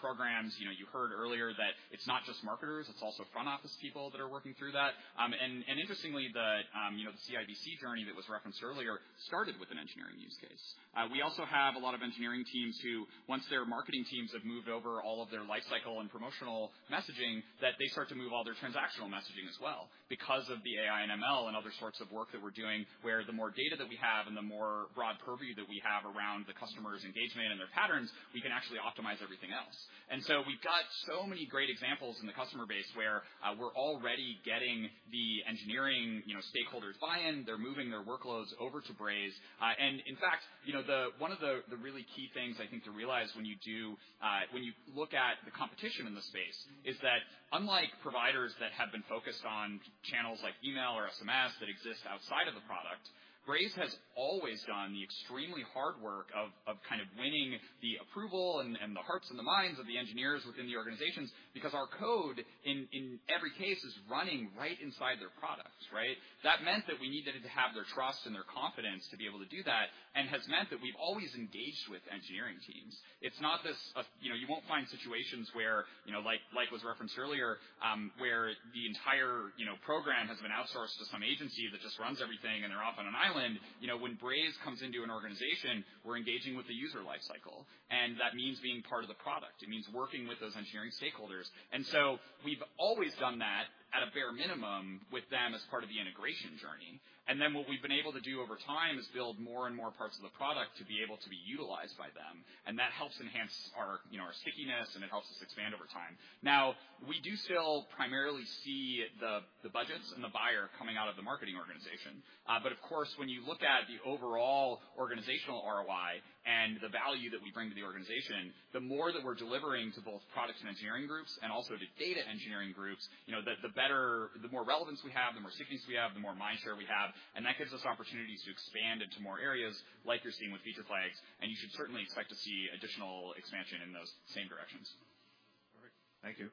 programs. You know, you heard earlier that it's not just marketers, it's also front office people that are working through that. Interestingly, the CI/CD journey that was referenced earlier started with an engineering use case. We also have a lot of engineering teams who, once their marketing teams have moved over all of their lifecycle and promotional messaging, that they start to move all their transactional messaging as well because of the AI and ML and other sorts of work that we're doing, where the more data that we have and the more broad purview that we have around the customer's engagement and their patterns. We can actually optimize everything else. We've got so many great examples in the customer base where we're already getting the engineering, you know, stakeholders buy-in. They're moving their workloads over to Braze. In fact, you know, the... One of the really key things I think to realize when you look at the competition in the space is that unlike providers that have been focused on channels like email or SMS that exist outside of the product, Braze has always done the extremely hard work of kind of winning the approval and the hearts and the minds of the engineers within the organizations because our code in every case is running right inside their products, right? That meant that we needed to have their trust and their confidence to be able to do that and has meant that we've always engaged with engineering teams. It's not this, you know, you won't find situations where, you know, like was referenced earlier, where the entire, you know, program has been outsourced to some agency that just runs everything and they're off on an island. You know, when Braze comes into an organization, we're engaging with the user lifecycle, and that means being part of the product. It means working with those engineering stakeholders. We've always done that at a bare minimum with them as part of the integration journey. What we've been able to do over time is build more and more parts of the product to be able to be utilized by them, and that helps enhance our, you know, our stickiness, and it helps us expand over time. Now, we do still primarily see the budgets and the buyer coming out of the marketing organization. Of course, when you look at the overall organizational ROI and the value that we bring to the organization, the more that we're delivering to both products and engineering groups and also to data engineering groups, you know, the better, the more relevance we have, the more stickiness we have, the more mind share we have, and that gives us opportunities to expand into more areas like you're seeing with Feature Flags, and you should certainly expect to see additional expansion in those same directions. Perfect. Thank you.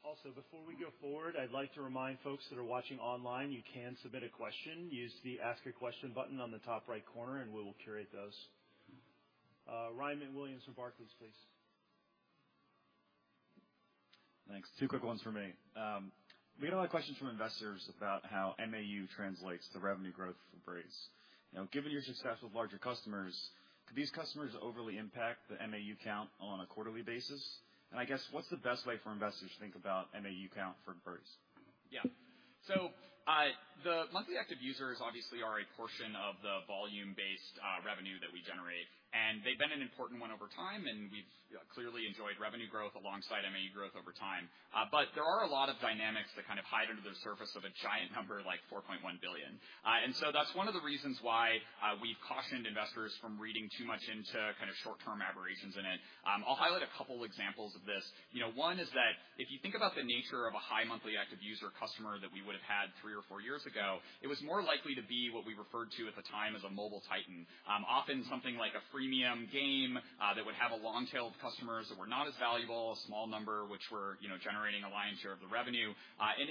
Also, before we go forward, I'd like to remind folks that are watching online you can submit a question. Use the Ask a Question button on the top right corner, and we will curate those. Ryan MacWilliams from Barclays, please. Thanks. Two quick ones from me. We get a lot of questions from investors about how MAU translates to revenue growth for Braze. You know, given your success with larger customers, could these customers overly impact the MAU count on a quarterly basis? I guess, what's the best way for investors to think about MAU count for Braze? Yeah. The monthly active users obviously are a portion of the volume-based revenue that we generate, and they've been an important one over time, and we've clearly enjoyed revenue growth alongside MAU growth over time. There are a lot of dynamics that kind of hide under the surface of a giant number like 4.1 billion. That's one of the reasons why, we've cautioned investors from reading too much into kind of short-term aberrations in it. I'll highlight a couple examples of this. You know, one is that if you think about the nature of a high monthly active user customer that we would have had three or four years ago, it was more likely to be what we referred to at the time as a mobile titan. Often something like a freemium game, that would have a long tail of customers that were not as valuable, a small number which were, you know, generating a lion's share of the revenue.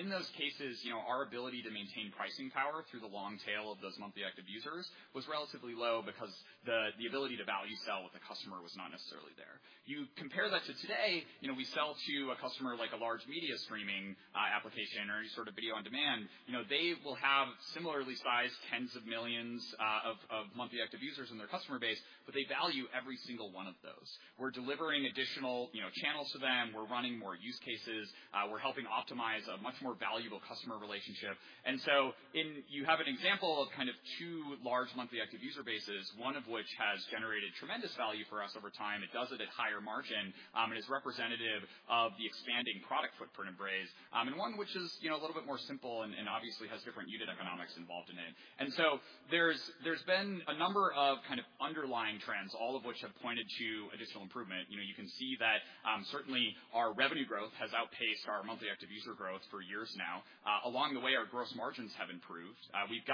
In those cases, you know, our ability to maintain pricing power through the long tail of those monthly active users was relatively low because the ability to value sell with the customer was not necessarily there. You compare that to today, you know, we sell to a customer like a large media streaming application or any sort of video on demand. You know, they will have similarly sized tens of millions of monthly active users in their customer base, but they value every single one of those. We're delivering additional, you know, channels to them. We're running more use cases. We're helping optimize a much more valuable customer relationship. You have an example of kind of two large monthly active user bases, one of which has generated tremendous value for us over time. It does it at higher margin and is representative of the expanding product footprint Braze. One which is, you know, a little bit more simple and obviously has different unit economics involved in it. There's been a number of kind of underlying trends, all of which have pointed to additional improvement. You can see that, certainly our revenue growth has outpaced our monthly active user growth for years now. Along the way, our gross margins have improved. We've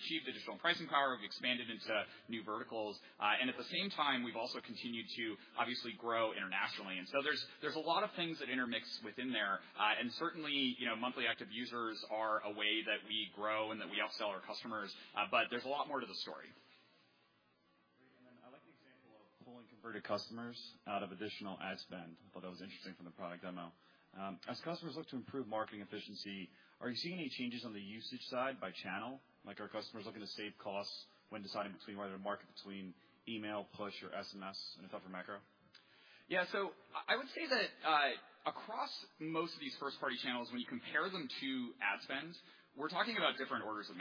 achieved additional pricing power. We've expanded into new verticals. And at the same time, we've also continued to obviously grow internationally. There's a lot of things that intermix within there. And certainly, you know, monthly active users are a way that we grow and that we upsell our customers. But there's a lot more to the story. Great. I like the example of pulling converted customers out of additional ad spend. Thought that was interesting from the product demo. As customers look to improve marketing efficiency, are you seeing any changes on the usage side by channel? Like, are customers looking to save costs when deciding between whether to market between email, push or SMS in a platform macro? Yeah. I would say that, across most of these first-party channels, when you compare them to ad spend, we're talking about different orders of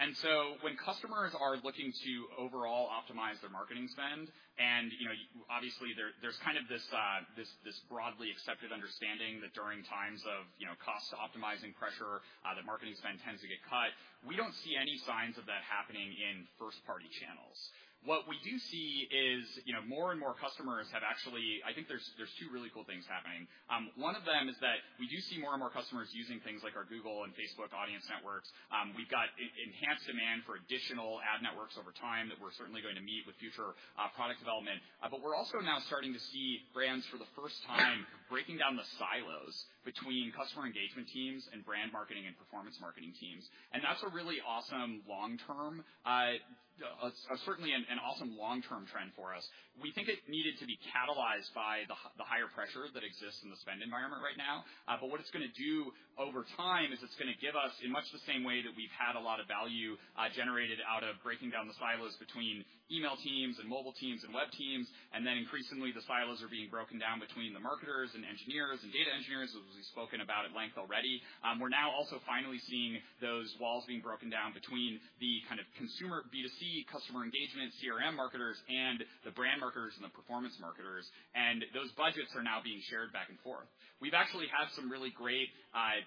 magnitude. When customers are looking to overall optimize their marketing spend, and, you know, obviously there's kind of this broadly accepted understanding that during times of, you know, cost optimizing pressure, that marketing spend tends to get cut. We don't see any signs of that happening in first-party channels. What we do see is, you know, more and more customers have actually. I think there's two really cool things happening. One of them is that we do see more and more customers using things like our Google and Facebook audience networks. We've got increasing demand for additional ad networks over time that we're certainly going to meet with future product development. We're also now starting to see brands for the first time breaking down the silos between customer engagement teams and brand marketing and performance marketing teams. That's a really awesome long-term, certainly an awesome long-term trend for us. We think it needed to be catalyzed by the higher pressure that exists in the spend environment right now. What it's gonna do over time is it's gonna give us, in much the same way that we've had a lot of value, generated out of breaking down the silos between email teams and mobile teams and web teams, and then increasingly the silos are being broken down between the marketers and engineers and data engineers, as we've spoken about at length already. We're now also finally seeing those walls being broken down between the kind of consumer B2C customer engagement, CRM marketers and the brand marketers and the performance marketers, and those budgets are now being shared back and forth. We've actually had some really great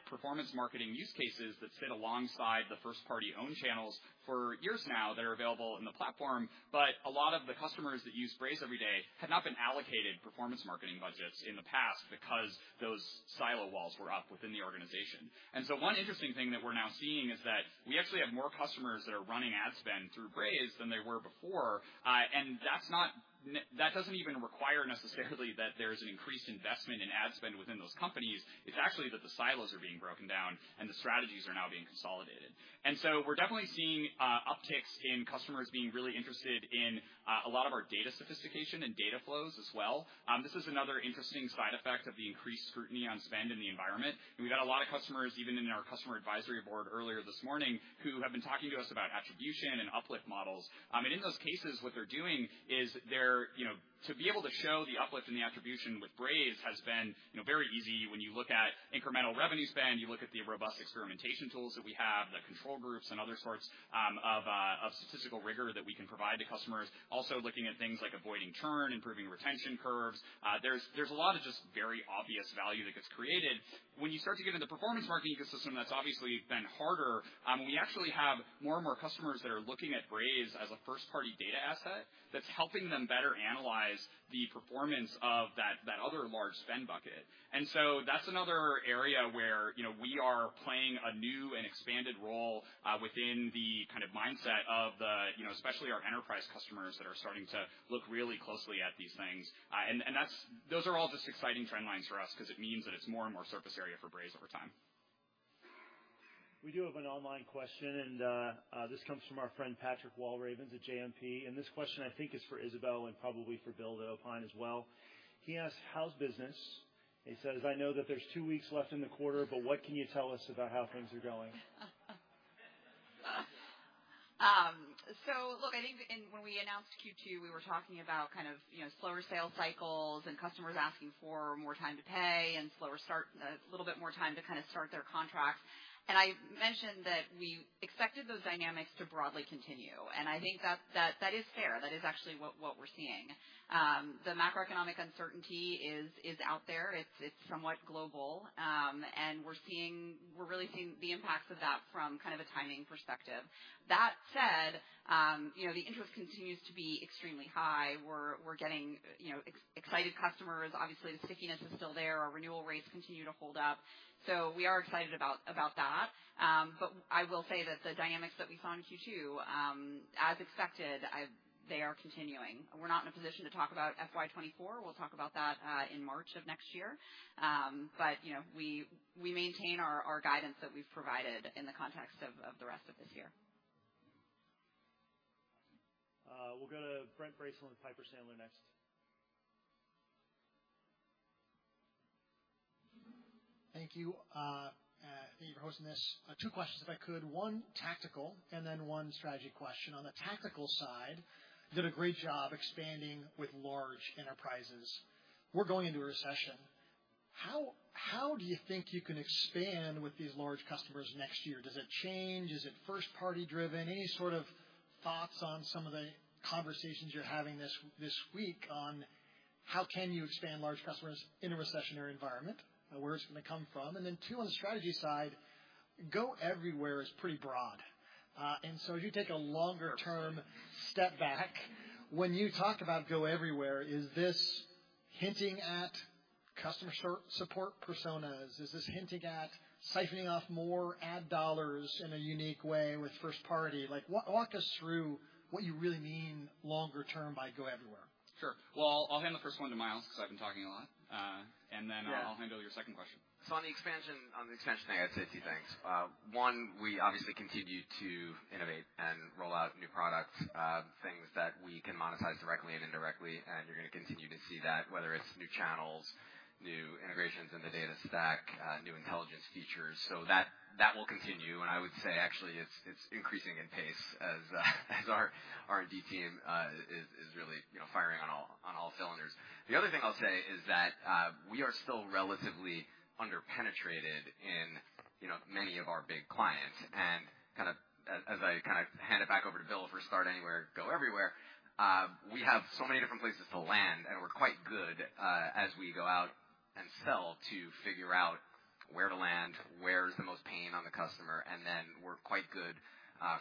performance marketing use cases that sit alongside the first party owned channels for years now that are available in the platform. A lot of the customers that use Braze every day had not been allocated performance marketing budgets in the past because those silo walls were up within the organization. One interesting thing that we're now seeing is that we actually have more customers that are running ad spend through Braze than they were before. That doesn't even require necessarily that there's an increased investment in ad spend within those companies. It's actually that the silos are being broken down and the strategies are now being consolidated. We're definitely seeing upticks in customers being really interested in a lot of our data sophistication and data flows as well. This is another interesting side effect of the increased scrutiny on spend in the environment. We've had a lot of customers, even in our customer advisory board earlier this morning, who have been talking to us about attribution and uplift models. In those cases, what they're doing is they're, you know, to be able to show the uplift in the attribution with Braze has been, you know, very easy when you look at incremental revenue spend, you look at the robust experimentation tools that we have, the control groups and other sorts of statistical rigor that we can provide to customers. Also looking at things like avoiding churn, improving retention curves. There's a lot of just very obvious value that gets created. When you start to get into performance marketing ecosystem, that's obviously been harder. We actually have more and more customers that are looking at Braze as a first-party data asset that's helping them better analyze the performance of that other large spend bucket. That's another area where, you know, we are playing a new and expanded role within the kind of mindset of the, you know, especially our enterprise customers that are starting to look really closely at these things. Those are all just exciting trend lines for us 'cause it means that it's more and more surface area for Braze over time. We do have an online question, and this comes from our friend Patrick Walravens at JMP, and this question I think is for Isabelle and probably for Bill at Opine as well. He asks, "How's business?" He says, "I know that there's two weeks left in the quarter, but what can you tell us about how things are going? Look, I think when we announced Q2, we were talking about kind of, you know, slower sales cycles and customers asking for more time to pay and slower start, a little bit more time to kind of start their contracts. I mentioned that we expected those dynamics to broadly continue. I think that is fair. That is actually what we're seeing. The macroeconomic uncertainty is out there. It's somewhat global. We're really seeing the impacts of that from kind of a timing perspective. That said, you know, the interest continues to be extremely high. We're getting, you know, excited customers. Obviously, the stickiness is still there. Our renewal rates continue to hold up. We are excited about that. I will say that the dynamics that we saw in Q2. As expected, they are continuing. We're not in a position to talk about FY 2024. We'll talk about that in March of next year. You know, we maintain our guidance that we've provided in the context of the rest of this year. We'll go to Brent Bracelin, Piper Sandler, next. Thank you. Thank you for hosting this. Two questions, if I could. One tactical and then one strategy question. On the tactical side, you did a great job expanding with large enterprises. We're going into a recession. How do you think you can expand with these large customers next year? Does it change? Is it first-party driven? Any sort of thoughts on some of the conversations you're having this week on how can you expand large customers in a recessionary environment, where it's gonna come from? And then two, on the strategy side, go everywhere is pretty broad. And so if you take a longer term step back, when you talk about go everywhere, is this hinting at customer support personas? Is this hinting at siphoning off more ad dollars in a unique way with first party? Like, walk us through what you really mean longer term by go everywhere? Sure. Well, I'll hand the first one to Myles because I've been talking a lot. Yeah. I'll handle your second question. On the expansion thing, I'd say a few things. One, we obviously continue to innovate and roll out new products, things that we can monetize directly and indirectly, and you're gonna continue to see that, whether it's new channels, new integrations in the data stack, new intelligence features. That will continue, and I would say actually it's increasing in pace as our R&D team is really, you know, firing on all cylinders. The other thing I'll say is that we are still relatively under-penetrated in, you know, many of our big clients. Kind of as I hand it back over to Bill for start anywhere, go everywhere, we have so many different places to land, and we're quite good as we go out and sell to figure out where to land, where's the most pain on the customer, and then we're quite good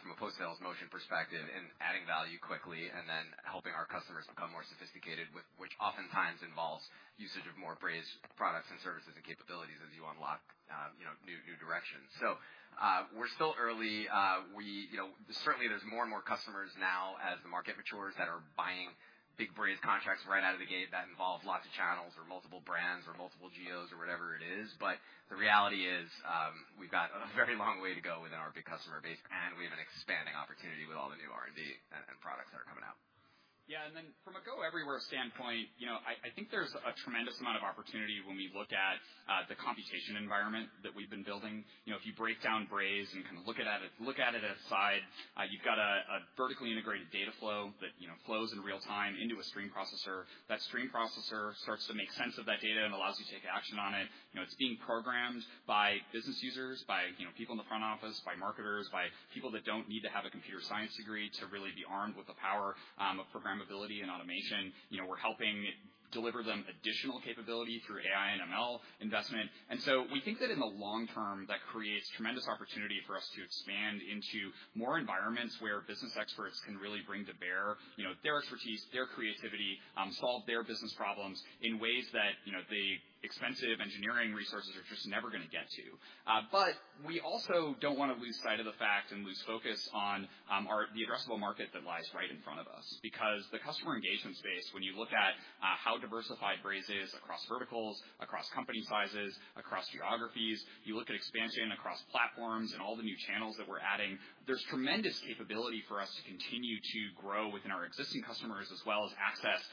from a post-sales motion perspective in adding value quickly and then helping our customers become more sophisticated, which oftentimes involves usage of more Braze products and services and capabilities as you unlock new directions. We're still early. You know, certainly there's more and more customers now as the market matures that are buying big Braze contracts right out of the gate that involve lots of channels or multiple brands or multiple geos or whatever it is. The reality is, we've got a very long way to go within our big customer base, and we have an expanding opportunity with all the new R&D and products that are coming out. Yeah. From a go everywhere standpoint, you know, I think there's a tremendous amount of opportunity when we look at the compute environment that we've been building. You know, if you break down Braze and kind of look at it as is, you've got a vertically integrated data flow that flows in real time into a stream processor. That stream processor starts to make sense of that data and allows you to take action on it. You know, it's being programmed by business users, by people in the front office, by marketers, by people that don't need to have a computer science degree to really be armed with the power of programmability and automation. You know, we're helping deliver them additional capability through AI and ML investment. We think that in the long term, that creates tremendous opportunity for us to expand into more environments where business experts can really bring to bear, you know, their expertise, their creativity, solve their business problems in ways that, you know, the expensive engineering resources are just never gonna get to. We also don't wanna lose sight of the fact and lose focus on the addressable market that lies right in front of us. Because the customer engagement space, when you look at how diversified Braze is across verticals, across company sizes, across geographies, you look at expansion across platforms and all the new channels that we're adding, there's tremendous capability for us to continue to grow within our existing customers as well as access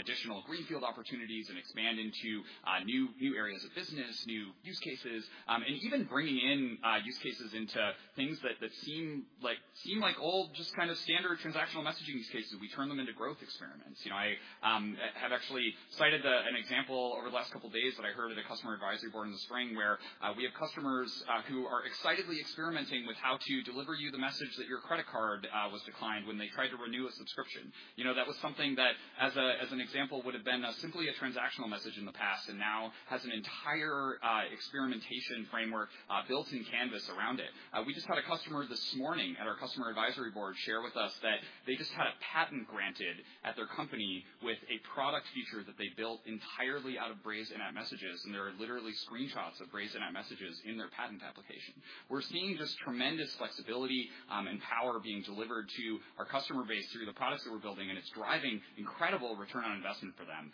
additional greenfield opportunities and expand into new areas of business, new use cases, and even bringing in use cases into things that seem like old, just kind of standard transactional messaging use cases. We turn them into growth experiments. You know, I have actually cited an example over the last couple days that I heard at a customer advisory board in the spring where we have customers who are excitedly experimenting with how to deliver you the message that your credit card was declined when they tried to renew a subscription. You know, that was something that as an example would have been simply a transactional message in the past and now has an entire experimentation framework built in Canvas around it. We just had a customer this morning at our customer advisory board share with us that they just had a patent granted at their company with a product feature that they built entirely out of Braze in-app messages, and there are literally screenshots of Braze in-app messages in their patent application. We're seeing just tremendous flexibility and power being delivered to our customer base through the products that we're building, and it's driving incredible return on investment for them.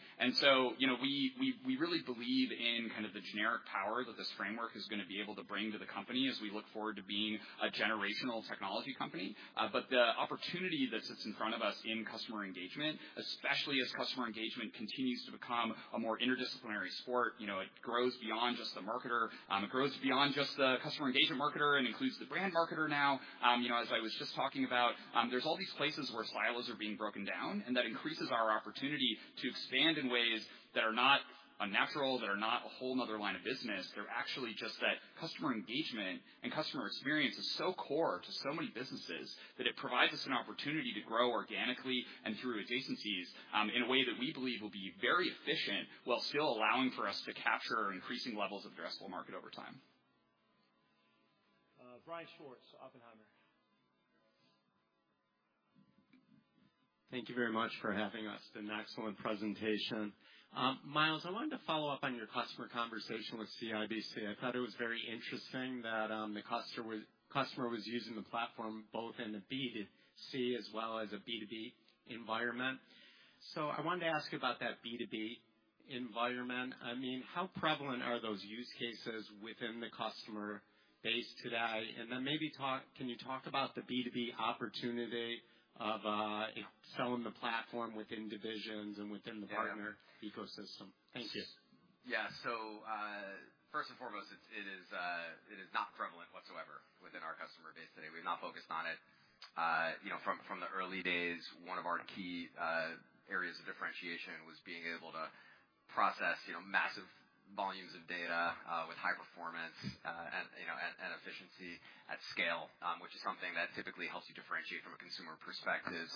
You know, we really believe in kind of the generic power that this framework is gonna be able to bring to the company as we look forward to being a generational technology company. The opportunity that sits in front of us in customer engagement, especially as customer engagement continues to become a more interdisciplinary sport, you know, it grows beyond just the marketer, it grows beyond just the customer engagement marketer and includes the brand marketer now. You know, as I was just talking about, there's all these places where silos are being broken down and that increases our opportunity to expand in ways that are not unnatural, that are not a whole nother line of business. They're actually just that customer engagement and customer experience is so core to so many businesses that it provides us an opportunity to grow organically and through adjacencies, in a way that we believe will be very efficient while still allowing for us to capture increasing levels of addressable market over time. Brian Schwartz, Oppenheimer. Thank you very much for having us. An excellent presentation. Myles, I wanted to follow up on your customer conversation with CIBC. I thought it was very interesting that the customer was using the platform both in the B2C as well as a B2B environment. I wanted to ask about that B2B environment. I mean, how prevalent are those use cases within the customer base today? Maybe can you talk about the B2B opportunity of selling the platform within divisions and within the partner ecosystem? Thank you. First and foremost, it is not prevalent whatsoever within our customer base today. We've not focused on it. You know, from the early days, one of our key areas of differentiation was being able to process you know, massive volumes of data with high performance and efficiency at scale, which is something that typically helps you differentiate from a consumer perspective.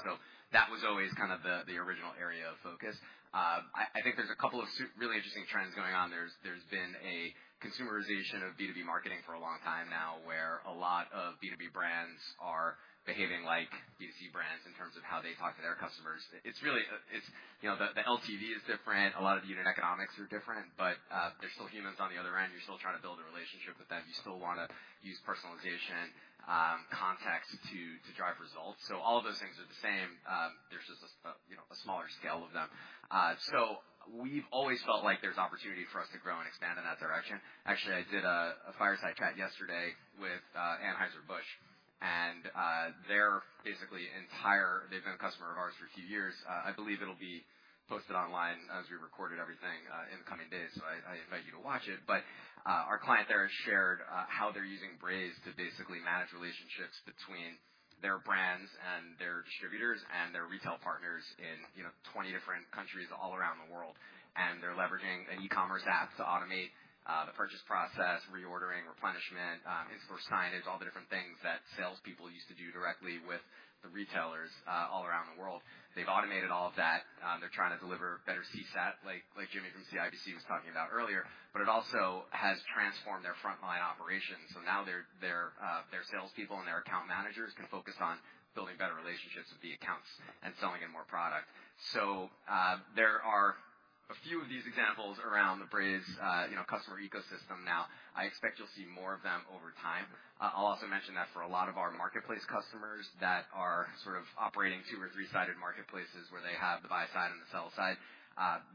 That was always kind of the original area of focus. I think there's a couple of really interesting trends going on. There's been a consumerization of B2B marketing for a long time now, where a lot of B2B brands are behaving like B2C brands in terms of how they talk to their customers. It's really. You know, the LTV is different. A lot of unit economics are different, but they're still humans on the other end. You're still trying to build a relationship with them. You still wanna use personalization, context to drive results. All of those things are the same. There's just, you know, a smaller scale of them. We've always felt like there's opportunity for us to grow and expand in that direction. Actually, I did a fireside chat yesterday with Anheuser-Busch, and they've been a customer of ours for a few years. I believe it'll be posted online as we recorded everything in the coming days, so I invite you to watch it. Our client there has shared how they're using Braze to basically manage relationships between their brands and their distributors and their retail partners in, you know, 20 different countries all around the world, and they're leveraging an e-commerce app to automate the purchase process, reordering, replenishment, in-store signage, all the different things that salespeople used to do directly with the retailers all around the world. They've automated all of that. They're trying to deliver better CSAT like Jimmy from CIBC was talking about earlier. It also has transformed their frontline operations. Now their salespeople and their account managers can focus on building better relationships with the accounts and selling in more product. There are a few of these examples around the Braze customer ecosystem now. I expect you'll see more of them over time. I'll also mention that for a lot of our marketplace customers that are sort of operating two or three-sided marketplaces where they have the buy side and the sell side,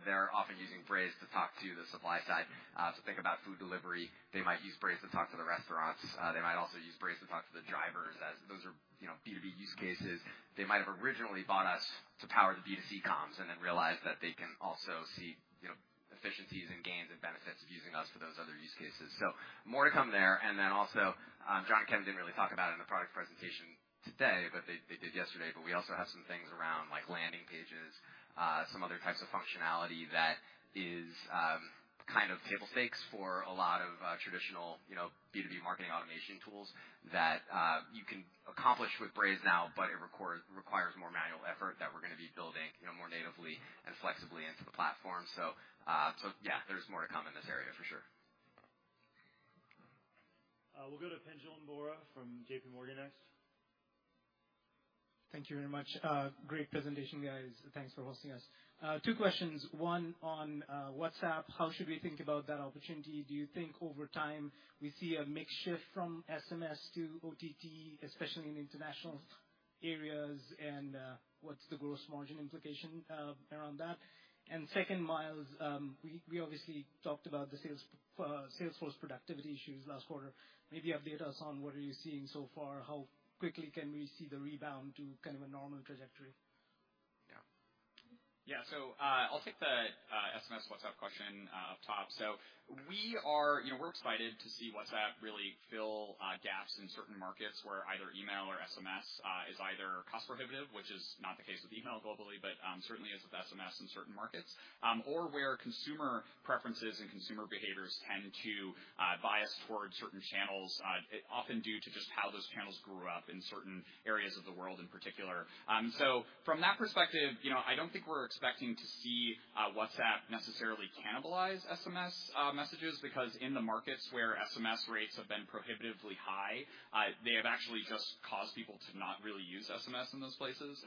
they're often using Braze to talk to the supply side. So think about food delivery. They might use Braze to talk to the restaurants. They might also use Braze to talk to the drivers as those are, you know, B2B use cases. They might have originally bought us to power the B2C comms and then realized that they can also see, you know, efficiencies and gains and benefits of using us for those other use cases. More to come there. Also, Jon and Kevin didn't really talk about it in the product presentation today, but they did yesterday, but we also have some things around like landing pages, some other types of functionality that is kind of table stakes for a lot of traditional, you know, B2B marketing automation tools that you can accomplish with Braze now, but it requires more manual effort that we're gonna be building, you know, more natively and flexibly into the platform. Yeah, there's more to come in this area for sure. We'll go to Pinjalim Bora from JPMorgan next. Thank you very much. Great presentation, guys. Thanks for hosting us. Two questions. One on WhatsApp. How should we think about that opportunity? Do you think over time we see a mix shift from SMS to OTT, especially in international areas? What's the gross margin implication around that? Second, Myles, we obviously talked about the sales sales force productivity issues last quarter. Maybe update us on what are you seeing so far. How quickly can we see the rebound to kind of a normal trajectory? Yeah. I'll take the SMS WhatsApp question up top. You know, we're excited to see WhatsApp really fill gaps in certain markets where either email or SMS is either cost prohibitive, which is not the case with email globally, but certainly is with SMS in certain markets, or where consumer preferences and consumer behaviors tend to bias towards certain channels, often due to just how those channels grew up in certain areas of the world in particular. From that perspective, you know, I don't think we're expecting to see WhatsApp necessarily cannibalize SMS messages, because in the markets where SMS rates have been prohibitively high, they have actually just caused people to not really use SMS in those places.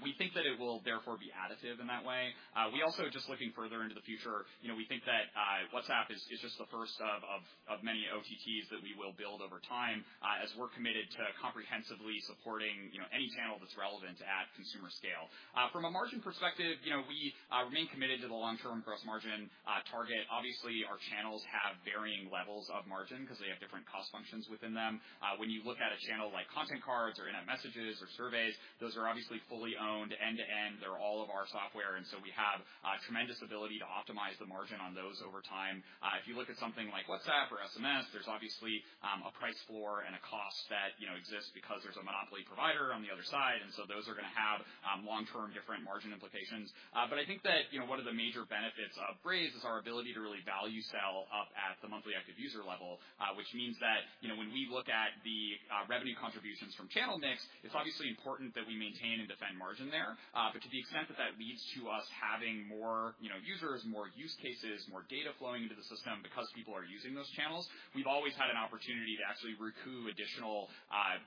We think that it will therefore be additive in that way. We also just looking further into the future, you know, we think that WhatsApp is just the first of many OTTs that we will build over time, as we're committed to comprehensively supporting, you know, any channel that's relevant at consumer scale. From a margin perspective, you know, we remain committed to the long-term gross margin target. Obviously, our channels have varying levels of margin 'cause they have different cost functions within them. When you look at a channel like Content Cards or in-app messages or surveys, those are obviously fully owned end-to-end. They're all of our software, and so we have a tremendous ability to optimize the margin on those over time. If you look at something like WhatsApp or SMS, there's obviously a price floor and a cost that, you know, exists because there's a monopoly provider on the other side, and so those are gonna have long-term different margin implications. I think that, you know, one of the major benefits of Braze is our ability to really value sell up at the monthly active user level. Which means that, you know, when we look at the revenue contributions from channel mix, it's obviously important that we maintain and defend margin there. But to the extent that that leads to us having more, you know, users, more use cases, more data flowing into the system because people are using those channels. We've always had an opportunity to actually recoup additional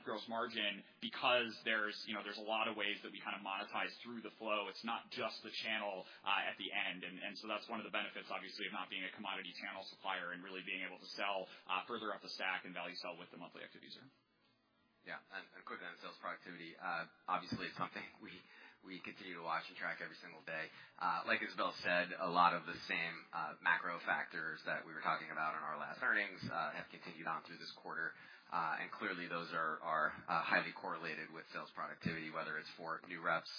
gross margin because there's, you know, there's a lot of ways that we kind of monetize through the flow. It's not just the channel at the end. That's one of the benefits, obviously, of not being a commodity channel supplier and really being able to sell further up the stack and value sell with the monthly active user. Yeah. Quick on sales productivity. Obviously, it's something we continue to watch and track every single day. Like as Bill said, a lot of the same macro factors that we were talking about on our last earnings have continued on through this quarter. Clearly those are highly correlated with sales productivity, whether it's for new reps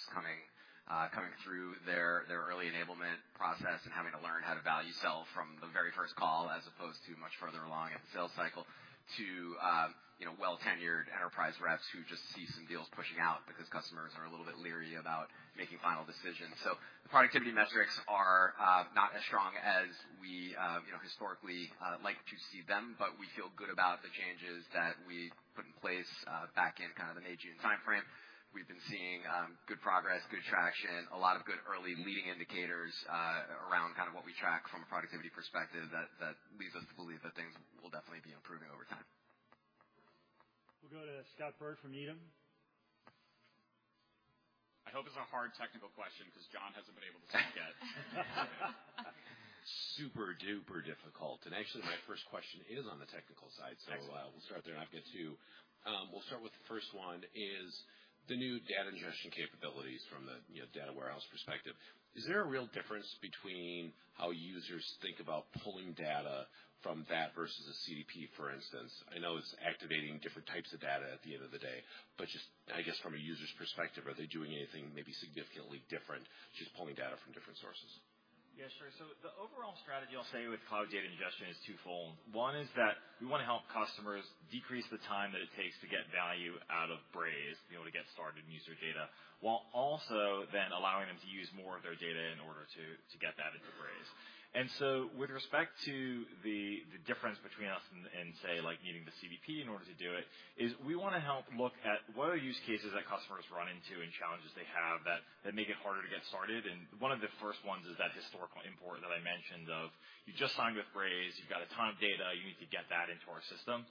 coming through their early enablement process and having to learn how to value sell from the very first call as opposed to much further along in the sales cycle to, you know, well tenured enterprise reps who just see some deals pushing out because customers are a little bit leery about making final decisions. The productivity metrics are not as strong as we you know historically like to see them, but we feel good about the changes that we put in place back in kind of the May, June timeframe. We've been seeing good progress, good traction, a lot of good early leading indicators around kind of what we track from a productivity perspective that leads us to believe that things will definitely be improving over time. We'll go to Scott Berg from Needham. I hope it's a hard technical question because Jon hasn't been able to speak yet. Super-duper difficult. Actually, my first question is on the technical side. Excellent. We'll start there, and I've got two. We'll start with the first one, the new data ingestion capabilities from the data warehouse perspective. Is there a real difference between how users think about pulling data from that versus a CDP, for instance? I know it's activating different types of data at the end of the day, but just I guess from a user's perspective, are they doing anything maybe significantly different, just pulling data from different sources? Yeah, sure. The overall strategy I'll say with Cloud Data Ingestion is twofold. One is that we wanna help customers decrease the time that it takes to get value out of Braze to be able to get started and use their data, while also then allowing them to use more of their data in order to get that into Braze. With respect to the difference between us and say like needing the CDP in order to do it, we wanna help look at what are use cases that customers run into and challenges they have that make it harder to get started. One of the first ones is that historical import that I mentioned of you just signed with Braze, you've got a ton of data, you need to get that into our system.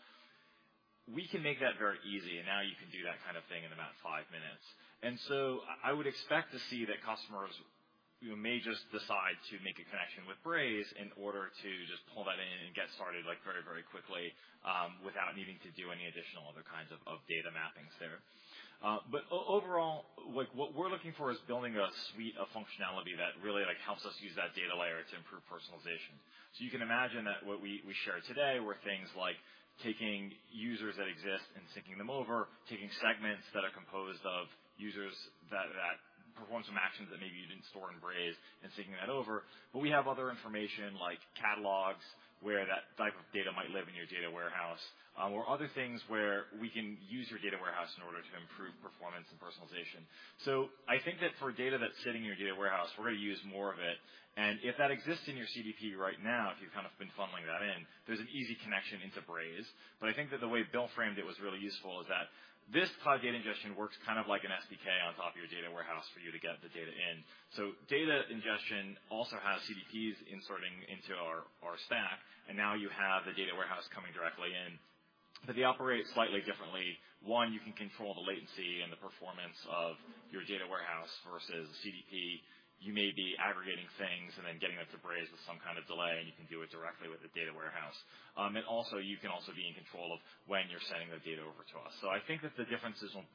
We can make that very easy, and now you can do that kind of thing in about five minutes. I would expect to see that customers, you know, may just decide to make a connection with Braze in order to just pull that in and get started like very, very quickly, without needing to do any additional other kinds of data mappings there. Overall, like what we're looking for is building a suite of functionality that really like helps us use that data layer to improve personalization. You can imagine that what we shared today were things like taking users that exist and syncing them over, taking segments that are composed of users that perform some actions that maybe you didn't store in Braze and syncing that over. We have other information like catalogs, where that type of data might live in your data warehouse, or other things where we can use your data warehouse in order to improve performance and personalization. I think that for data that's sitting in your data warehouse, we're gonna use more of it. If that exists in your CDP right now, if you've kind of been funneling that in, there's an easy connection into Braze. I think that the way Bill framed it was really useful is that this Cloud Data Ingestion works kind of like an SDK on top of your data warehouse for you to get the data in. Data ingestion also has CDPs inserting into our stack, and now you have the data warehouse coming directly in. They operate slightly differently. One, you can control the latency and the performance of your data warehouse versus CDP. You may be aggregating things and then getting that to Braze with some kind of delay, and you can do it directly with the data warehouse. Also you can also be in control of when you're sending the data over to us. I think that the differences will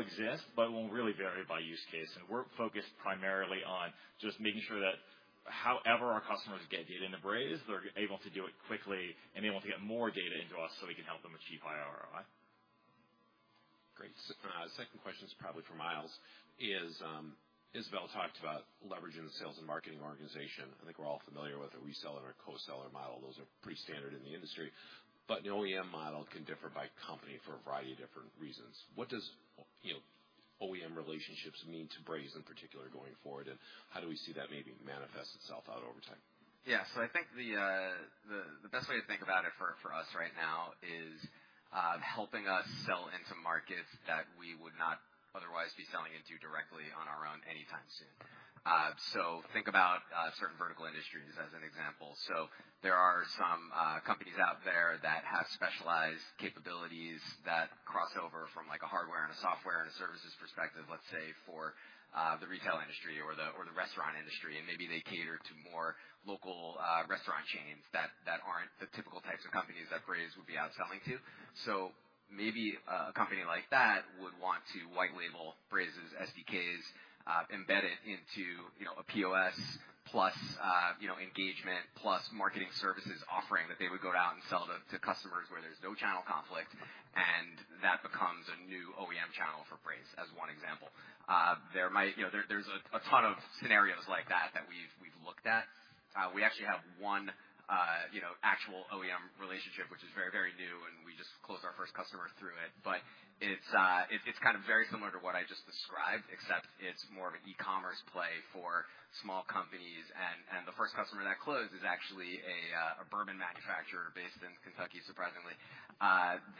exist, but will really vary by use case. We're focused primarily on just making sure that however our customers get data into Braze, they're able to do it quickly and able to get more data into us so we can help them achieve higher ROI. Great. Second question is probably for Myles, as Bill talked about leveraging the sales and marketing organization. I think we're all familiar with a reseller and a co-seller model. Those are pretty standard in the industry. But an OEM model can differ by company for a variety of different reasons. What does, you know, OEM relationships mean to Braze in particular going forward? And how do we see that maybe manifest itself out over time? Yeah. I think the best way to think about it for us right now is helping us sell into markets that we would not otherwise be selling into directly on our own anytime soon. Think about certain vertical industries as an example. There are some companies out there that have specialized capabilities that cross over from like a hardware and a software and a services perspective, let's say, for the retail industry or the restaurant industry. Maybe they cater to more local restaurant chains that aren't the typical types of companies that Braze would be out selling to. Maybe a company like that would want to white label Braze's SDKs, embed it into, you know, a POS plus, you know, engagement plus marketing services offering that they would go out and sell to customers where there's no channel conflict, and that becomes a new OEM channel for Braze, as one example. There might be a ton of scenarios like that that we've looked at. We actually have one relationship which is very new, and we just closed our first customer through it. It's kind of very similar to what I just described, except it's more of an e-commerce play for small companies. The first customer that closed is actually a bourbon manufacturer based in Kentucky, surprisingly.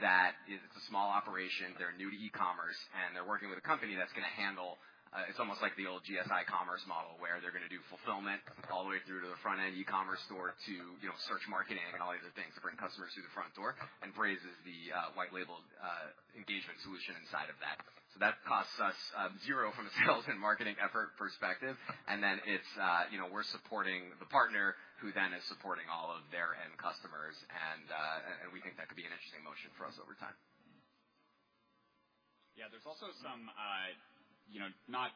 That is a small operation. They're new to e-commerce, and they're working with a company that's gonna handle, it's almost like the old GSI Commerce model, where they're gonna do fulfillment all the way through to the front-end e-commerce store to, you know, search marketing and all these other things to bring customers through the front door, and Braze is the white labeled engagement solution inside of that. That costs us zero from a sales and marketing effort perspective. It's you know, we're supporting the partner who then is supporting all of their end customers and we think that could be an interesting motion for us over time. Yeah. There's also some, you know, not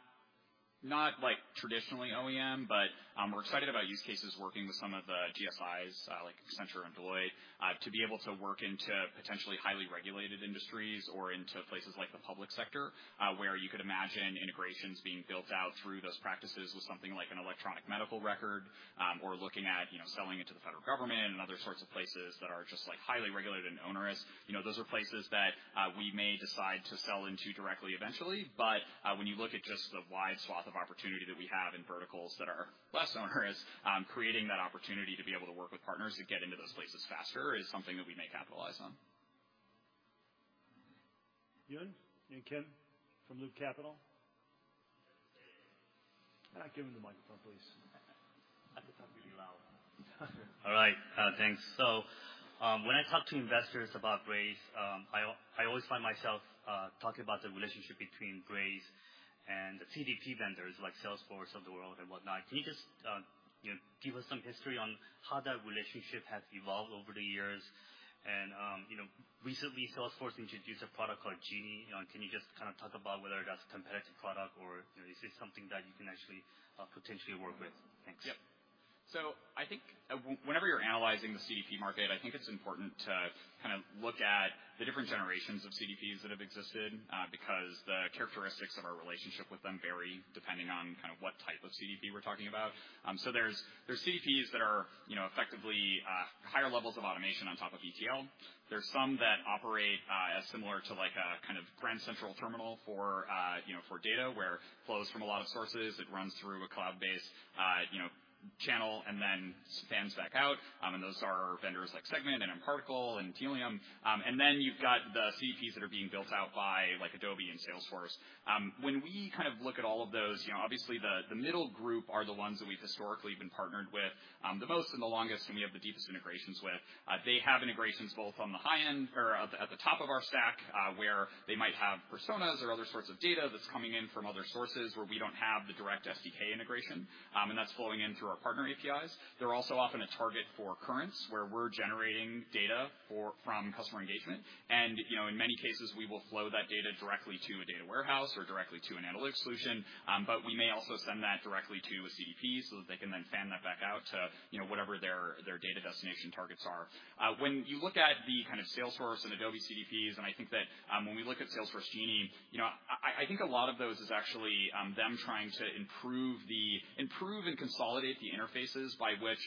like traditionally OEM, but, we're excited about use cases working with some of the GSIs, like Accenture and Deloitte, to be able to work into potentially highly regulated industries or into places like the public sector, where you could imagine integrations being built out through those practices with something like an electronic medical record, or looking at, you know, selling it to the federal government and other sorts of places that are just, like, highly regulated and onerous. You know, those are places that we may decide to sell into directly eventually, but when you look at just the wide swath of opportunity that we have in verticals that are less onerous, creating that opportunity to be able to work with partners to get into those places faster is something that we may capitalize on. Yun Kim from Loop Capital. Give him the microphone, please. I can talk really loud. All right. Thanks. When I talk to investors about Braze, I always find myself talking about the relationship between Braze and the CDP vendors, like Salesforce of the world and whatnot. Can you just, you know, give us some history on how that relationship has evolved over the years? You know, recently Salesforce introduced a product called Genie. You know, can you just kind of talk about whether that's a competitive product or, you know, is it something that you can actually potentially work with? Thanks. Yep. I think whenever you're analyzing the CDP market, I think it's important to kind of look at the different generations of CDPs that have existed, because the characteristics of our relationship with them vary depending on kind of what type of CDP we're talking about. There are CDPs that are, you know, effectively, higher levels of automation on top of ETL. There are some that operate, as similar to like a kind of Grand Central Terminal for, you know, for data, where it flows from a lot of sources, it runs through a cloud-based, you know, channel and then spans back out. Those are vendors like Segment and mParticle and Tealium. Then you've got the CDPs that are being built out by like Adobe and Salesforce. When we kind of look at all of those, you know, obviously the middle group are the ones that we've historically been partnered with the most and the longest, and we have the deepest integrations with. They have integrations both on the high end or at the top of our stack, where they might have personas or other sorts of data that's coming in from other sources where we don't have the direct SDK integration. That's flowing in through our partner APIs. They're also often a target for Currents, where we're generating data from customer engagement. You know, in many cases, we will flow that data directly to a data warehouse or directly to an analytics solution. We may also send that directly to a CDP so that they can then fan that back out to, you know, whatever their data destination targets are. When you look at the kind of Salesforce and Adobe CDPs, and I think that, when we look at Salesforce Genie. You know, I think a lot of those is actually them trying to improve and consolidate the interfaces by which,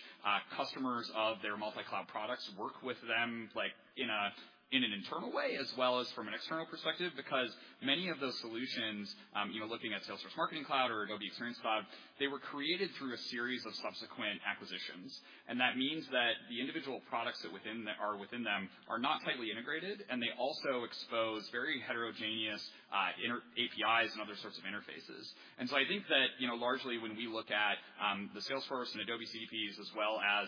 customers of their multi-cloud products work with them, like, in an internal way as well as from an external perspective. Because many of those solutions, you know, looking at Salesforce Marketing Cloud or Adobe Experience Cloud, they were created through a series of subsequent acquisitions. That means that the individual products that are within them are not tightly integrated, and they also expose very heterogeneous, inter-APIs and other sorts of interfaces. I think that, you know, largely when we look at the Salesforce and Adobe CDPs as well as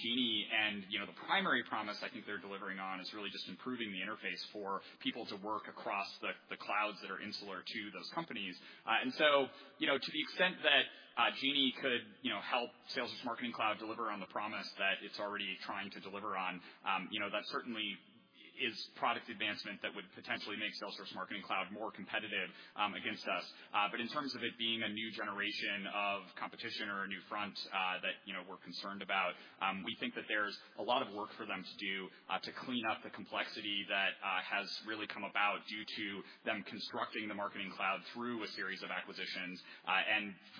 Genie and, you know, the primary promise I think they're delivering on is really just improving the interface for people to work across the clouds that are insular to those companies. To the extent that Genie could, you know, help Salesforce Marketing Cloud deliver on the promise that it's already trying to deliver on, you know, that certainly is product advancement that would potentially make Salesforce Marketing Cloud more competitive against us. In terms of it being a new generation of competition or a new front that you know we're concerned about, we think that there's a lot of work for them to do to clean up the complexity that has really come about due to them constructing the Marketing Cloud through a series of acquisitions.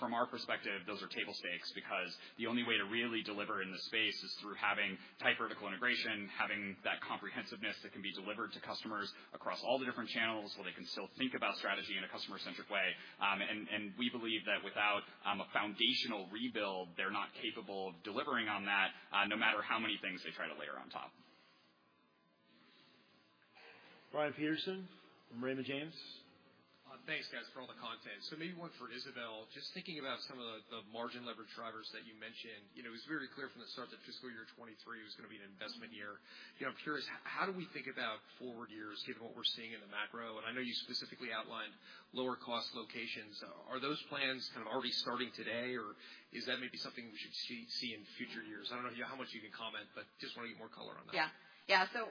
From our perspective. Those are table stakes because the only way to really deliver in this space is through having tight vertical integration, having that comprehensiveness that can be delivered to customers across all the different channels where they can still think about strategy in a customer-centric way. We believe that without a foundational rebuild, they're not capable of delivering on that no matter how many things they try to layer on top. Brian Peterson from Raymond James. Thanks, guys, for all the content. Maybe one for Isabelle. Just thinking about some of the margin leverage drivers that you mentioned. You know, it was very clear from the start that fiscal year 2023 was gonna be an investment year. You know, I'm curious, how do we think about forward years given what we're seeing in the macro? I know you specifically outlined lower cost locations. Are those plans kind of already starting today, or is that maybe something we should see in future years? I don't know how much you can comment, but just wanna get more color on that.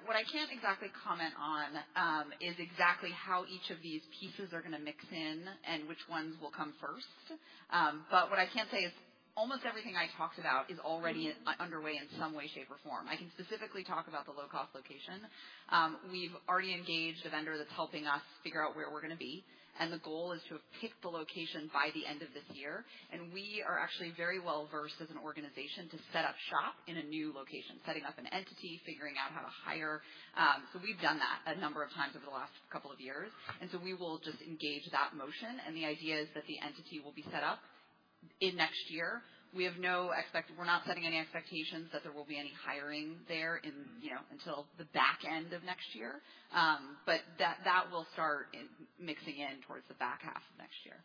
What I can't exactly comment on is exactly how each of these pieces are gonna mix in and which ones will come first. But what I can say is almost everything I talked about is already underway in some way, shape, or form. I can specifically talk about the low cost location. We've already engaged a vendor that's helping us figure out where we're gonna be, and the goal is to have picked the location by the end of this year. We are actually very well-versed as an organization to set up shop in a new location, setting up an entity, figuring out how to hire. We've done that a number of times over the last couple of years, and we will just engage that motion, and the idea is that the entity will be set up. In next year. We're not setting any expectations that there will be any hiring there in, you know, until the back end of next year. That mixing in towards the back half of next year.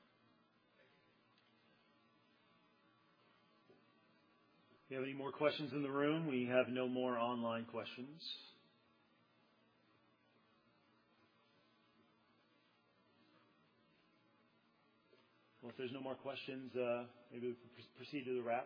Do you have any more questions in the room? We have no more online questions. Well, if there's no more questions, maybe we can proceed to the wrap.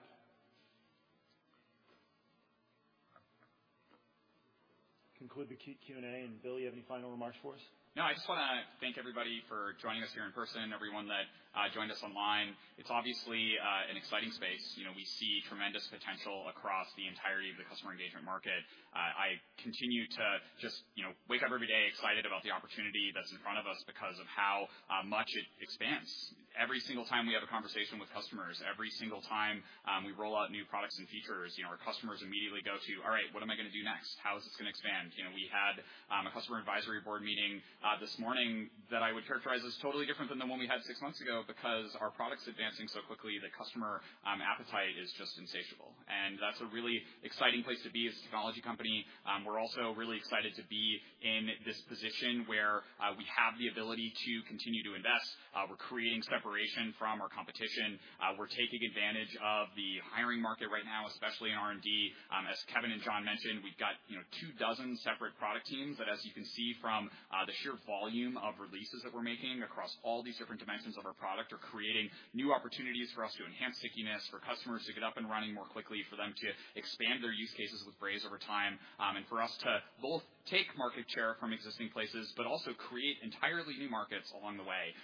Conclude the Q&A. Bill, you have any final remarks for us? No, I just wanna thank everybody for joining us here in person, everyone that joined us online. It's obviously an exciting space. You know, we see tremendous potential across the entirety of the customer engagement market. I continue to just, you know, wake up every day excited about the opportunity that's in front of us because of how much it expands. Every single time we have a conversation with customers, every single time, we roll out new products and features, you know, our customers immediately go to, "All right, what am I gonna do next? How is this gonna expand?" You know, we had a customer advisory board meeting this morning that I would characterize as totally different than the one we had six months ago because our product's advancing so quickly, the customer appetite is just insatiable. That's a really exciting place to be as a technology company. We're also really excited to be in this position where we have the ability to continue to invest. We're creating separation from our competition. We're taking advantage of the hiring market right now, especially in R&D. As Kevin and Jon mentioned, we've got, you know, 24 separate product teams that, as you can see from the sheer volume of releases that we're making across all these different dimensions of our product, are creating new opportunities for us to enhance stickiness for customers to get up and running more quickly, for them to expand their use cases with Braze over time. And for us to both take market share from existing places, but also create entirely new markets along the way.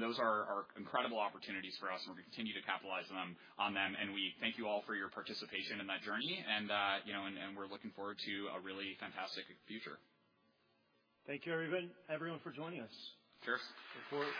Those are incredible opportunities for us, and we're gonna continue to capitalize on them. We thank you all for your participation in that journey, and, you know, we're looking forward to a really fantastic future. Thank you, everyone for joining us. Cheers. Look forward.